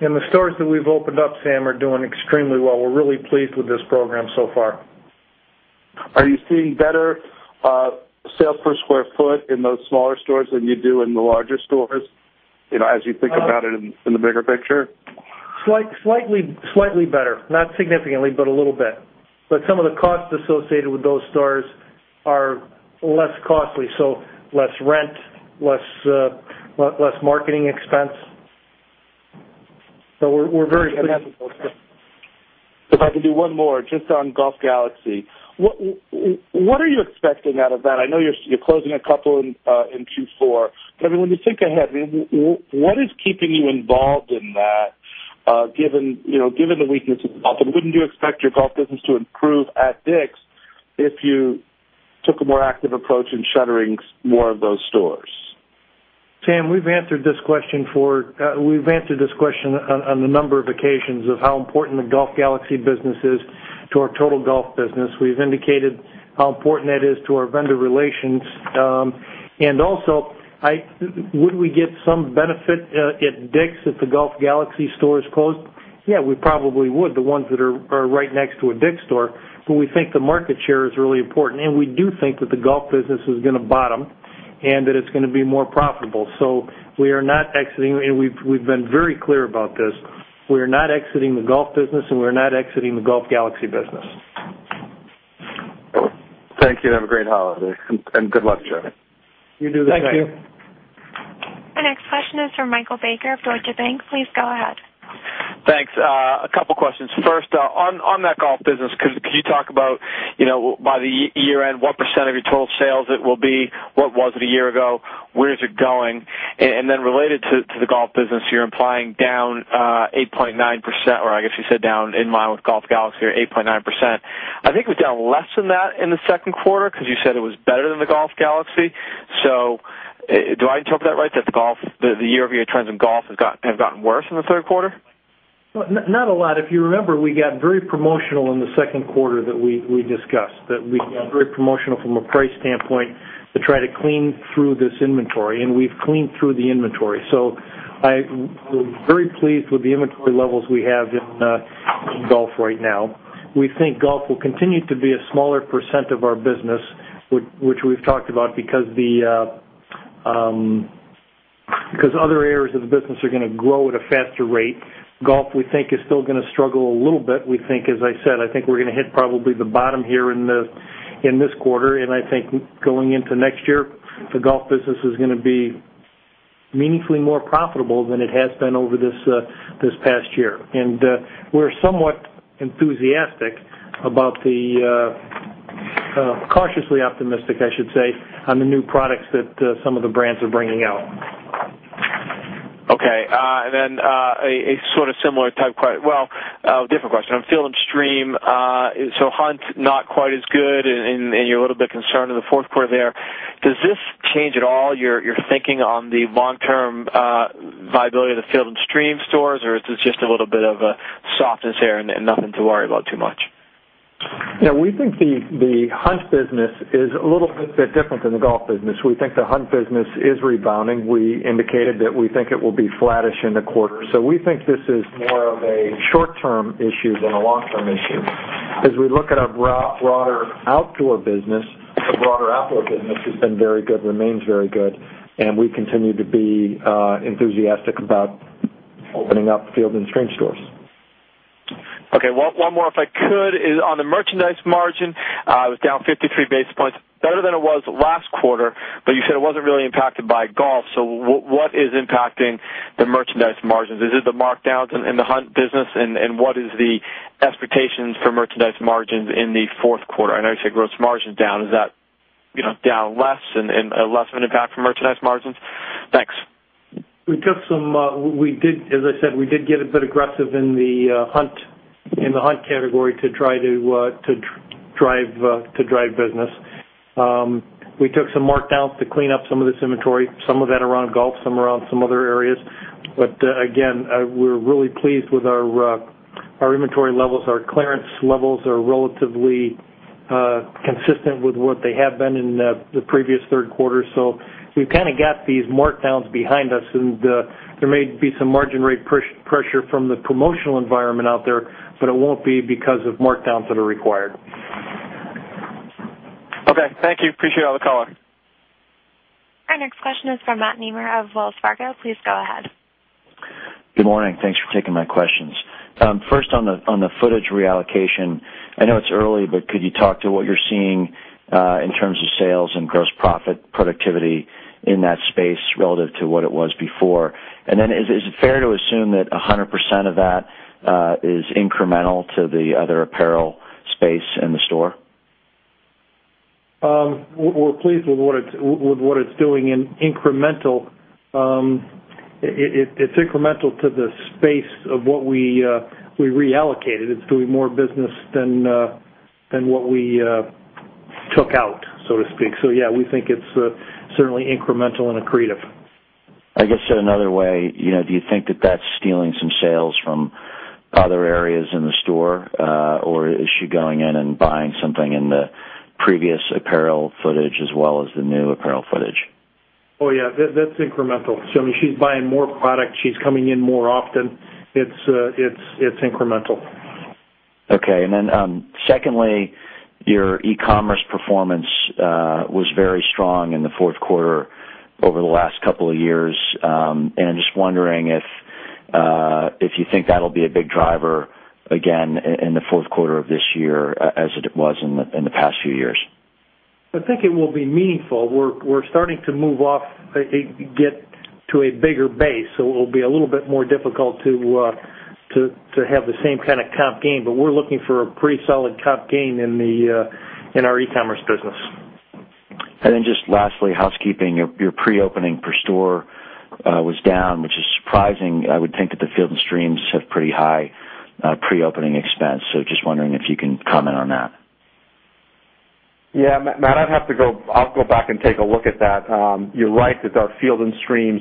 The stores that we've opened up, Sam, are doing extremely well. We're really pleased with this program so far.
Are you seeing better sales per square foot in those smaller stores than you do in the larger stores as you think about it in the bigger picture?
Slightly better. Not significantly, but a little bit. Some of the costs associated with those stores are less costly, less rent, less marketing expense. We're very happy with those stores.
If I can do one more, just on Golf Galaxy. What are you expecting out of that? I know you're closing a couple in Q4. When you think ahead, what is keeping you involved in that given the weakness in golf? Wouldn't you expect your golf business to improve at DICK'S if you took a more active approach in shuttering more of those stores?
Sam, we've answered this question on a number of occasions of how important the Golf Galaxy business is to our total golf business. We've indicated how important that is to our vendor relations. Also, would we get some benefit at DICK'S if the Golf Galaxy stores closed? Yeah, we probably would, the ones that are right next to a DICK'S store. We think the market share is really important, and we do think that the golf business is going to bottom, and that it's going to be more profitable. We are not exiting, and we've been very clear about this. We are not exiting the golf business, and we are not exiting the Golf Galaxy business.
Thank you. Have a great holiday, good luck, gentlemen.
You do the same.
Thank you.
The next question is from Michael Baker of Deutsche Bank. Please go ahead.
Thanks. A couple questions. First, on that golf business, could you talk about, by the year-end, what percent of your total sales it will be? What was it a year ago? Where is it going? Related to the golf business, you're implying down 8.9%, or I guess you said down in line with Golf Galaxy or 8.9%. I think it was down less than that in the second quarter because you said it was better than the Golf Galaxy. Do I interpret that right, that the year-over-year trends in golf have gotten worse in the third quarter?
Not a lot. If you remember, we got very promotional in the second quarter that we discussed, that we got very promotional from a price standpoint. To try to clean through this inventory, and we've cleaned through the inventory. I'm very pleased with the inventory levels we have in golf right now. We think golf will continue to be a smaller percent of our business, which we've talked about because other areas of the business are going to grow at a faster rate. Golf, we think, is still going to struggle a little bit. We think, as I said, I think we're going to hit probably the bottom here in this quarter, and I think going into next year, the golf business is going to be meaningfully more profitable than it has been over this past year. We're somewhat enthusiastic about the cautiously optimistic, I should say, on the new products that some of the brands are bringing out.
Okay. A sort of similar type question. Well, a different question. On Field & Stream. Hunt not quite as good and you're a little bit concerned in the fourth quarter there. Does this change at all your thinking on the long-term viability of the Field & Stream stores or is this just a little bit of a softness there and nothing to worry about too much?
Yeah. We think the hunt business is a little bit different than the golf business. We think the hunt business is rebounding. We indicated that we think it will be flattish in the quarter. We think this is more of a short-term issue than a long-term issue. As we look at our broader outdoor business, the broader outdoor business has been very good, remains very good, and we continue to be enthusiastic about opening up Field & Stream stores.
Okay. One more, if I could, is on the merchandise margin. It was down 53 basis points. Better than it was last quarter, you said it wasn't really impacted by golf, what is impacting the merchandise margins? Is it the markdowns in the hunt business, and what is the expectations for merchandise margins in the fourth quarter? I know you said gross margin's down. Is that down less and less of an impact from merchandise margins? Thanks.
As I said, we did get a bit aggressive in the hunt category to try to drive business. We took some markdowns to clean up some of this inventory, some of that around golf, some around some other areas. Again, we're really pleased with our inventory levels. Our clearance levels are relatively consistent with what they have been in the previous third quarter. We've kind of got these markdowns behind us, there may be some margin rate pressure from the promotional environment out there, it won't be because of markdowns that are required.
Okay. Thank you. Appreciate it. I'll call back.
Our next question is from Matt Nemer of Wells Fargo. Please go ahead.
Good morning. Thanks for taking my questions. First, on the footage reallocation, I know it's early, but could you talk to what you're seeing in terms of sales and gross profit productivity in that space relative to what it was before? Then is it fair to assume that 100% of that is incremental to the other apparel space in the store?
We're pleased with what it's doing in incremental. It's incremental to the space of what we reallocated. It's doing more business than what we took out, so to speak. Yeah, we think it's certainly incremental and accretive.
I guess said another way, do you think that that's stealing some sales from other areas in the store? Is she going in and buying something in the previous apparel footage as well as the new apparel footage?
Oh, yeah. That's incremental. I mean, she's buying more product. She's coming in more often. It's incremental.
Okay. Secondly, your e-commerce performance was very strong in the fourth quarter over the last couple of years. I'm just wondering if you think that'll be a big driver again in the fourth quarter of this year as it was in the past few years.
I think it will be meaningful. We're starting to move off, get to a bigger base. It will be a little bit more difficult to have the same kind of comp gain. We're looking for a pretty solid comp gain in our e-commerce business.
Lastly, housekeeping. Your pre-opening per store was down, which is surprising. I would think that the Field & Streams have pretty high pre-opening expense. Just wondering if you can comment on that.
Yeah. Matt, I'd have to go. I'll go back and take a look at that. You're right that our Field & Stream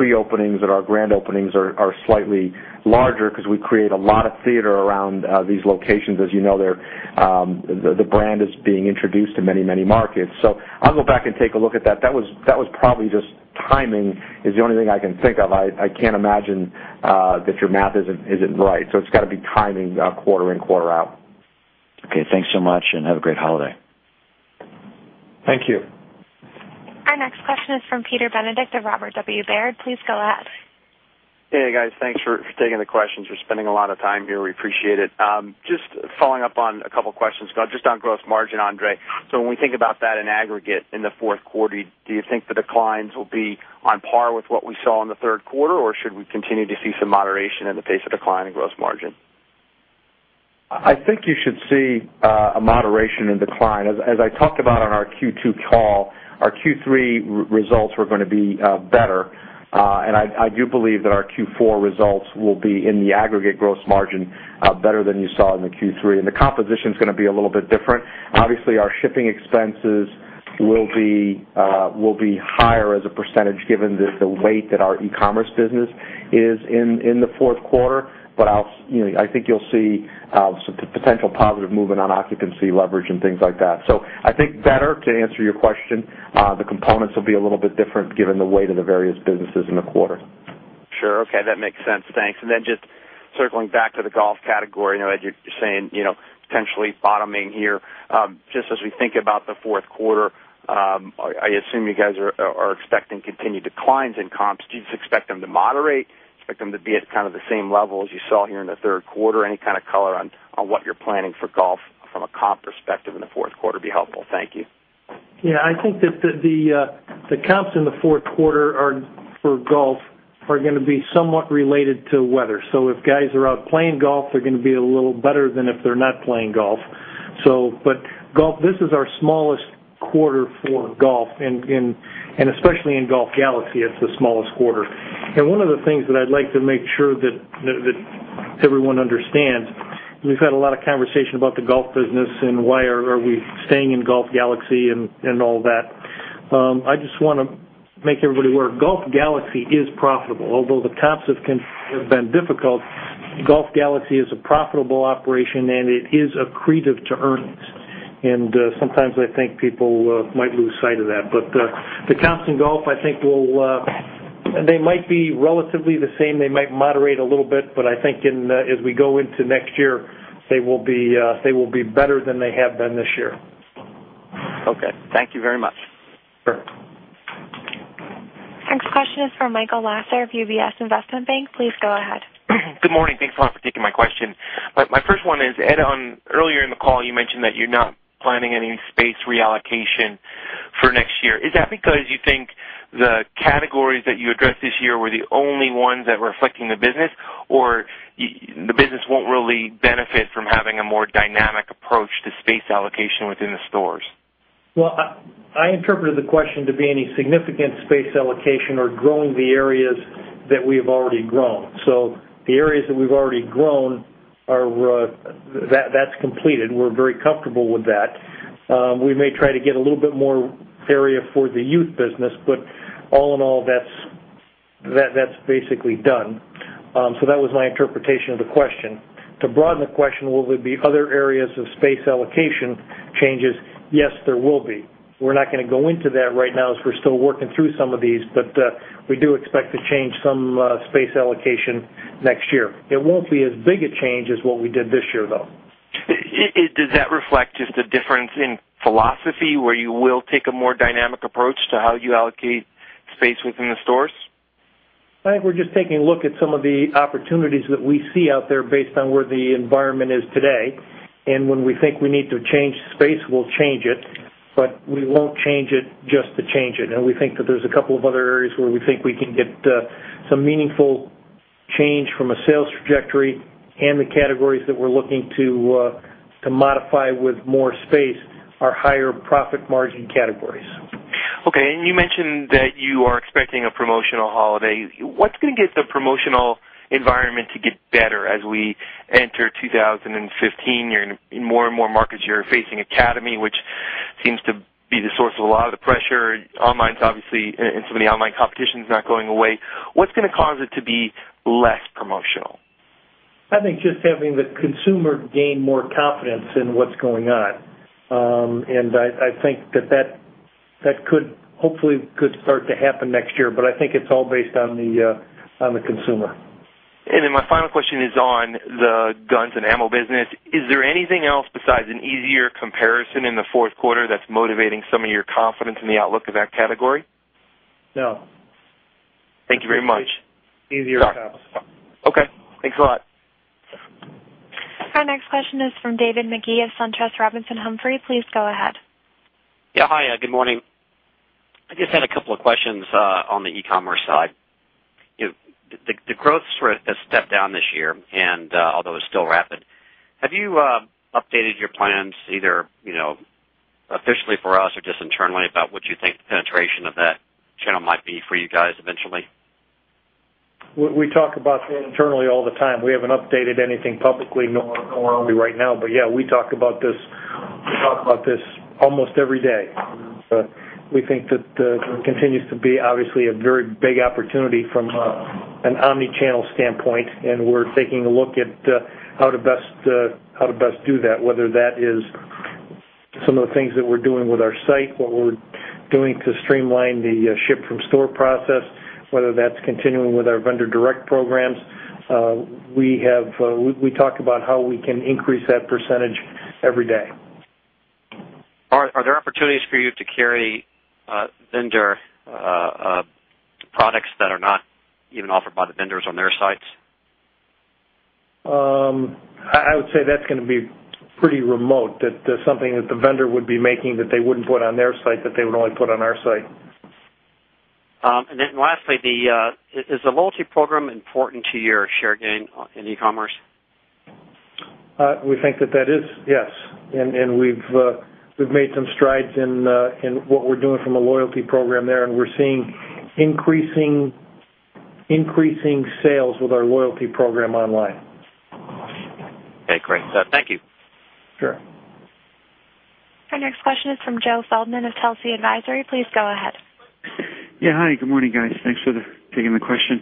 typically, our pre-openings and our grand openings are slightly larger because we create a lot of theater around these locations. As you know, the brand is being introduced in many, many markets. I'll go back and take a look at that. That was probably just timing is the only thing I can think of. I can't imagine that your math isn't right. It's got to be timing, quarter in, quarter out.
Okay. Thanks so much, and have a great holiday.
Thank you.
Our next question is from Peter Benedict of Robert W. Baird. Please go ahead.
Hey, guys. Thanks for taking the questions. You're spending a lot of time here. We appreciate it. Just following up on a couple questions. Just on gross margin, André. When we think about that in aggregate in the fourth quarter, do you think the declines will be on par with what we saw in the third quarter, or should we continue to see some moderation in the pace of decline in gross margin?
I think you should see a moderation in decline. As I talked about on our Q2 call, our Q3 results were going to be better. I do believe that our Q4 results will be in the aggregate gross margin better than you saw in the Q3, and the composition's going to be a little bit different. Obviously, our shipping expenses will be higher as a percentage given the weight that our e-commerce business is in the fourth quarter. I think you'll see some potential positive movement on occupancy leverage and things like that. I think better, to answer your question. The components will be a little bit different given the weight of the various businesses in the quarter.
Sure. Okay. That makes sense. Thanks. Just circling back to the golf category, as you're saying, potentially bottoming here. Just as we think about the fourth quarter, I assume you guys are expecting continued declines in comps. Do you expect them to moderate, expect them to be at kind of the same level as you saw here in the third quarter? Any kind of color on what you're planning for golf from a comp perspective in the fourth quarter would be helpful. Thank you.
I think that the comps in the fourth quarter for golf are going to be somewhat related to weather. If guys are out playing golf, they're going to be a little better than if they're not playing golf. This is our smallest quarter for golf, and especially in Golf Galaxy, it's the smallest quarter. One of the things that I'd like to make sure that everyone understands, we've had a lot of conversation about the golf business and why are we staying in Golf Galaxy and all that. I just want to make everybody aware, Golf Galaxy is profitable. Although the comps have been difficult, Golf Galaxy is a profitable operation, and it is accretive to earnings. Sometimes I think people might lose sight of that. The comps in golf, I think they might be relatively the same. They might moderate a little bit. I think as we go into next year, they will be better than they have been this year.
Okay. Thank you very much.
Sure.
Next question is from Michael Lasser of UBS Investment Bank. Please go ahead.
Good morning. Thanks a lot for taking my question. My first one is, Ed, earlier in the call, you mentioned that you're not planning any space reallocation for next year. Is that because you think the categories that you addressed this year were the only ones that were affecting the business, or the business won't really benefit from having a more dynamic approach to space allocation within the stores?
Well, I interpreted the question to be any significant space allocation or growing the areas that we have already grown. The areas that we've already grown, that's completed. We're very comfortable with that. We may try to get a little bit more area for the youth business, all in all, that's basically done. That was my interpretation of the question. To broaden the question, will there be other areas of space allocation changes? Yes, there will be. We're not going to go into that right now as we're still working through some of these, we do expect to change some space allocation next year. It won't be as big a change as what we did this year, though.
Does that reflect just a difference in philosophy, where you will take a more dynamic approach to how you allocate space within the stores?
I think we're just taking a look at some of the opportunities that we see out there based on where the environment is today. When we think we need to change space, we'll change it. We won't change it just to change it. We think that there's a couple of other areas where we think we can get some meaningful change from a sales trajectory and the categories that we're looking to modify with more space are higher profit margin categories.
Okay. You mentioned that you are expecting a promotional holiday. What's going to get the promotional environment to get better as we enter 2015? In more and more markets, you're facing Academy, which seems to be the source of a lot of the pressure. Some of the online competition's not going away. What's going to cause it to be less promotional?
I think just having the consumer gain more confidence in what's going on. I think that could hopefully could start to happen next year, but I think it's all based on the consumer.
My final question is on the guns and ammo business. Is there anything else besides an easier comparison in the fourth quarter that's motivating some of your confidence in the outlook of that category?
No.
Thank you very much.
It's just easier comps.
Okay. Thanks a lot.
Our next question is from David Magee of SunTrust Robinson Humphrey. Please go ahead.
Yeah. Hi, good morning. I just had a couple of questions on the e-commerce side. The growth has stepped down this year, although it's still rapid. Have you updated your plans, either officially for us or just internally, about what you think the penetration of that channel might be for you guys eventually?
We talk about that internally all the time. We haven't updated anything publicly nor will we right now. Yeah, we talk about this almost every day. We think that continues to be obviously a very big opportunity from an omni-channel standpoint, and we're taking a look at how to best do that, whether that is some of the things that we're doing with our site, what we're doing to streamline the ship-from-store process, whether that's continuing with our vendor direct programs. We talk about how we can increase that percentage every day.
Are there opportunities for you to carry vendor products that are not even offered by the vendors on their sites?
I would say that's going to be pretty remote. That's something that the vendor would be making that they wouldn't put on their site, that they would only put on our site.
Lastly, is the loyalty program important to your share gain in e-commerce?
We think that that is, yes. We've made some strides in what we're doing from a loyalty program there, and we're seeing increasing sales with our loyalty program online.
Okay, great. Thank you.
Sure.
Our next question is from Joe Feldman of Telsey Advisory Group. Please go ahead.
Hi, good morning, guys. Thanks for taking the question.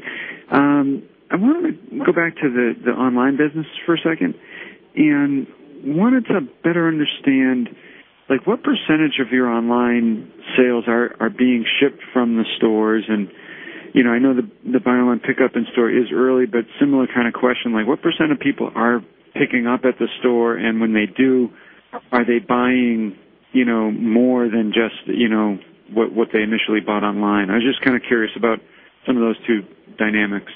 I wanted to go back to the online business for a second and wanted to better understand what % of your online sales are being shipped from the stores. I know the buy online pickup in store is early, but similar kind of question. What % of people are picking up at the store? And when they do, are they buying more than just what they initially bought online? I was just kind of curious about some of those two dynamics.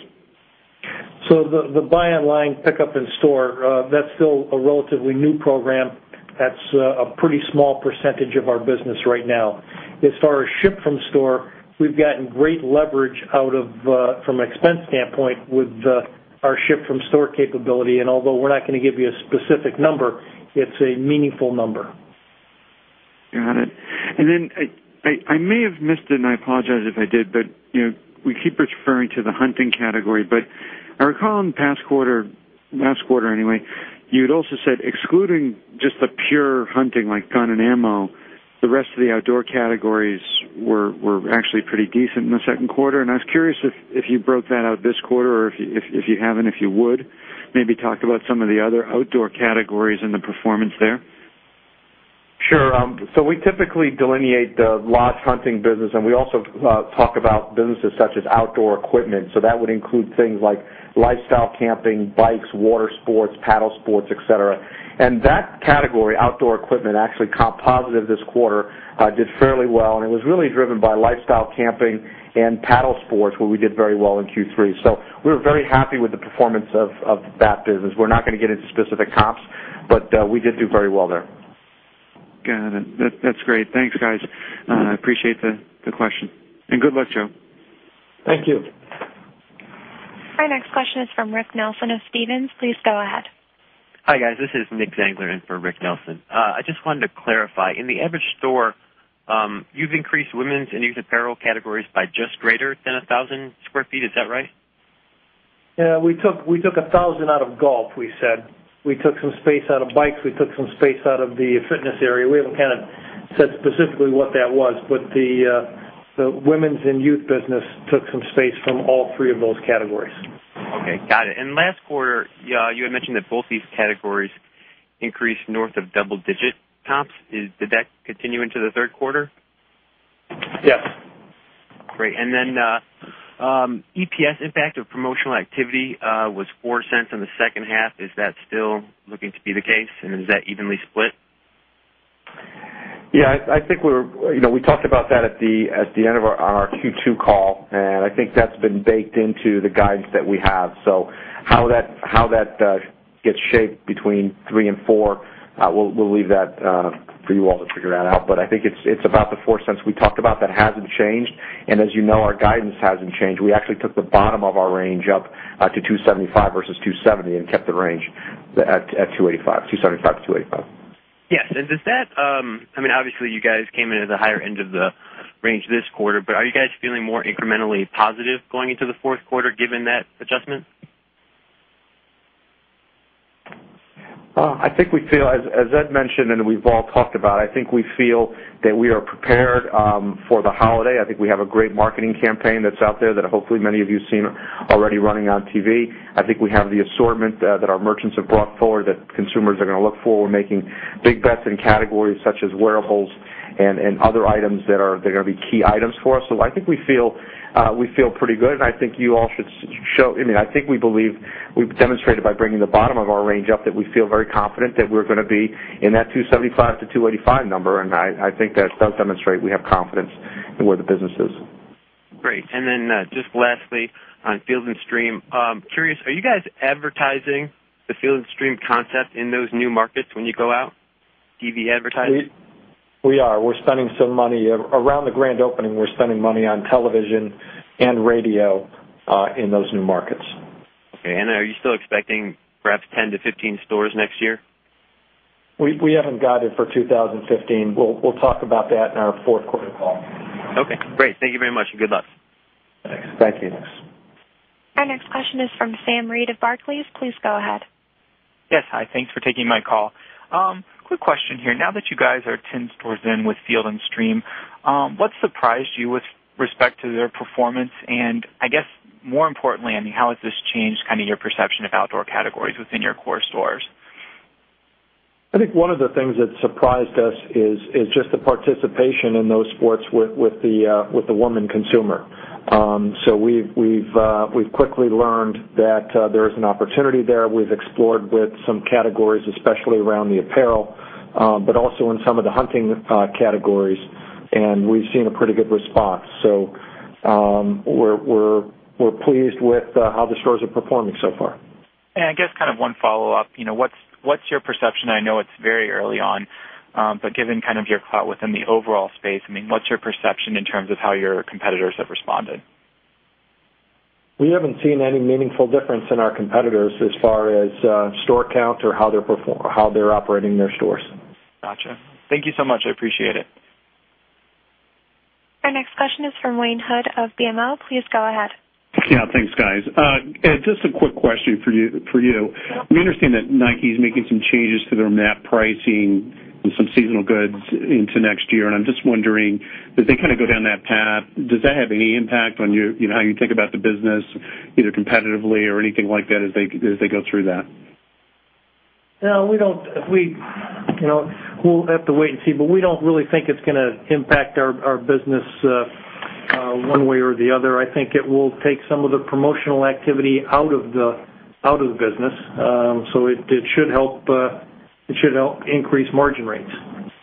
The buy online, pickup in store, that's still a relatively new program. That's a pretty small percentage of our business right now. As far as ship from store, we've gotten great leverage from expense standpoint with our ship from store capability. Although we're not going to give you a specific number, it's a meaningful number.
Got it. I may have missed it, and I apologize if I did, we keep referring to the hunting category. I recall in the past quarter, last quarter anyway, you'd also said excluding just the pure hunting like gun and ammo, the rest of the outdoor categories were actually pretty decent in the second quarter. I was curious if you broke that out this quarter, or if you haven't, if you would maybe talk about some of the other outdoor categories and the performance there.
Sure. We typically delineate the lodge hunting business, and we also talk about businesses such as outdoor equipment. That would include things like lifestyle camping, bikes, water sports, paddle sports, et cetera. That category, outdoor equipment, actually comp positive this quarter, did fairly well and it was really driven by lifestyle camping and paddle sports, where we did very well in Q3. We were very happy with the performance of that business. We're not going to get into specific comps, we did do very well there.
Got it. That's great. Thanks, guys. I appreciate the question. Good luck, Joe.
Thank you.
Our next question is from Rick Nelson of Stephens. Please go ahead.
Hi, guys. This is Nicholas Zangler in for Rick Nelson. I just wanted to clarify. In the average store, you've increased women's and youth apparel categories by just greater than 1,000 sq ft. Is that right?
Yeah. We took 1,000 out of golf, we said. We took some space out of bikes. We took some space out of the fitness area. We haven't kind of said specifically what that was, but the women's and youth business took some space from all three of those categories.
Got it. Last quarter, you had mentioned that both these categories increased north of double-digit comps. Did that continue into the third quarter?
Yes.
Great. EPS impact of promotional activity was $0.04 in the second half. Is that still looking to be the case and is that evenly split?
Yeah. We talked about that at the end of our Q2 call, I think that's been baked into the guidance that we have. How that gets shaped between three and four, we'll leave that for you all to figure that out. I think it's about the $0.04 we talked about. That hasn't changed. As you know, our guidance hasn't changed. We actually took the bottom of our range up to $2.75 versus $2.70 and kept the range at $2.85, $2.75 to $2.85.
Yes. Obviously, you guys came in at the higher end of the range this quarter, are you guys feeling more incrementally positive going into the fourth quarter given that adjustment?
As Ed mentioned, we've all talked about, we feel that we are prepared for the holiday. We have a great marketing campaign that's out there that hopefully many of you seen already running on TV. We have the assortment that our merchants have brought forward that consumers are going to look for. We're making big bets in categories such as wearables and other items that are going to be key items for us. We feel pretty good, we've demonstrated by bringing the bottom of our range up that we feel very confident that we're going to be in that $2.75-$2.85 number. That does demonstrate we have confidence in where the business is.
Great. Lastly, on Field & Stream. Curious, are you guys advertising the Field & Stream concept in those new markets when you go out, TV advertising?
We are. Around the grand opening, we're spending money on television and radio in those new markets.
Okay. Are you still expecting perhaps 10-15 stores next year?
We haven't got it for 2015. We'll talk about that in our fourth quarter call.
Okay, great. Thank you very much and good luck.
Thanks.
Thank you.
Our next question is from Sam Reed of Barclays. Please go ahead.
Yes, hi. Thanks for taking my call. Quick question here. Now that you guys are 10 stores in with Field & Stream, what surprised you with respect to their performance? I guess more importantly, how has this changed kind of your perception of outdoor categories within your core stores?
I think one of the things that surprised us is just the participation in those sports with the woman consumer. We've quickly learned that there is an opportunity there. We've explored with some categories, especially around the apparel but also in some of the hunting categories, and we've seen a pretty good response. We're pleased with how the stores are performing so far.
I guess kind of one follow-up. What's your perception, I know it's very early on but given kind of your clout within the overall space, what's your perception in terms of how your competitors have responded?
We haven't seen any meaningful difference in our competitors as far as store count or how they're operating their stores.
Gotcha. Thank you so much. I appreciate it.
Our next question is from Wayne Hood of BMO. Please go ahead.
Thanks, guys. Ed, just a quick question for you. We understand that Nike's making some changes to their MAP pricing on some seasonal goods into next year, and I'm just wondering, as they go down that path, does that have any impact on how you think about the business, either competitively or anything like that as they go through that?
No, we'll have to wait and see, but we don't really think it's going to impact our business one way or the other. I think it will take some of the promotional activity out of the business. It should help increase margin rates.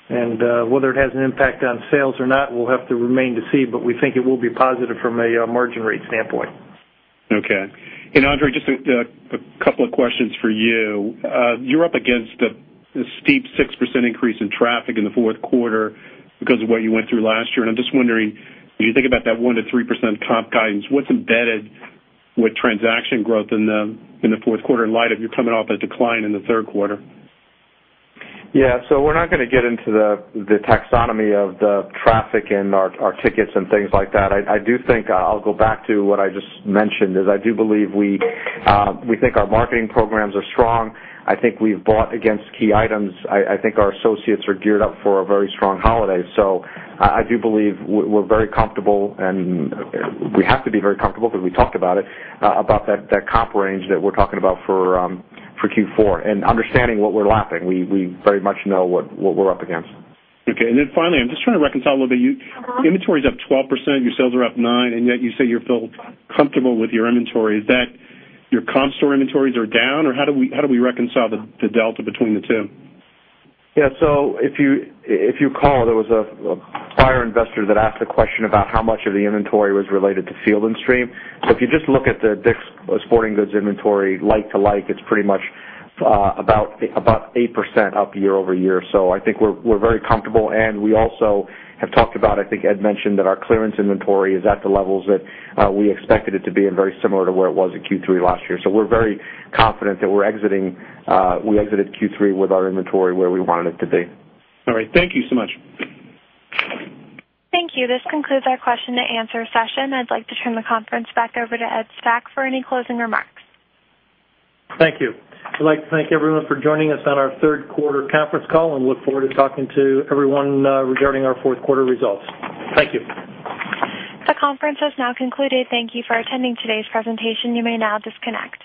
Whether it has an impact on sales or not, we'll have to remain to see, but we think it will be positive from a margin rate standpoint.
Okay. André, just a couple of questions for you. You're up against a steep 6% increase in traffic in the fourth quarter because of what you went through last year, I'm just wondering, when you think about that 1%-3% comp guidance, what's embedded with transaction growth in the fourth quarter in light of you coming off a decline in the third quarter?
Yeah. We're not going to get into the taxonomy of the traffic and our tickets and things like that. I'll go back to what I just mentioned, is I do believe we think our marketing programs are strong. I think we've bought against key items. I think our associates are geared up for a very strong holiday. I do believe we're very comfortable, and we have to be very comfortable because we talked about it, about that comp range that we're talking about for Q4. Understanding what we're lapping. We very much know what we're up against.
Okay. Finally, I'm just trying to reconcile a little bit, your inventory's up 12%, your sales are up nine, yet you say you feel comfortable with your inventory. Is that your comp store inventories are down, how do we reconcile the delta between the two?
Yeah. If you recall, there was a prior investor that asked a question about how much of the inventory was related to Field & Stream. If you just look at the DICK’S Sporting Goods inventory like to like, it's pretty much about 8% up year-over-year. I think we're very comfortable, and we also have talked about, I think Ed mentioned, that our clearance inventory is at the levels that we expected it to be and very similar to where it was at Q3 last year. We're very confident that we exited Q3 with our inventory where we wanted it to be.
All right. Thank you so much.
Thank you. This concludes our question and answer session. I'd like to turn the conference back over to Ed Stack for any closing remarks.
Thank you. We'd like to thank everyone for joining us on our third quarter conference call and look forward to talking to everyone regarding our fourth quarter results. Thank you.
The conference has now concluded. Thank you for attending today's presentation. You may now disconnect.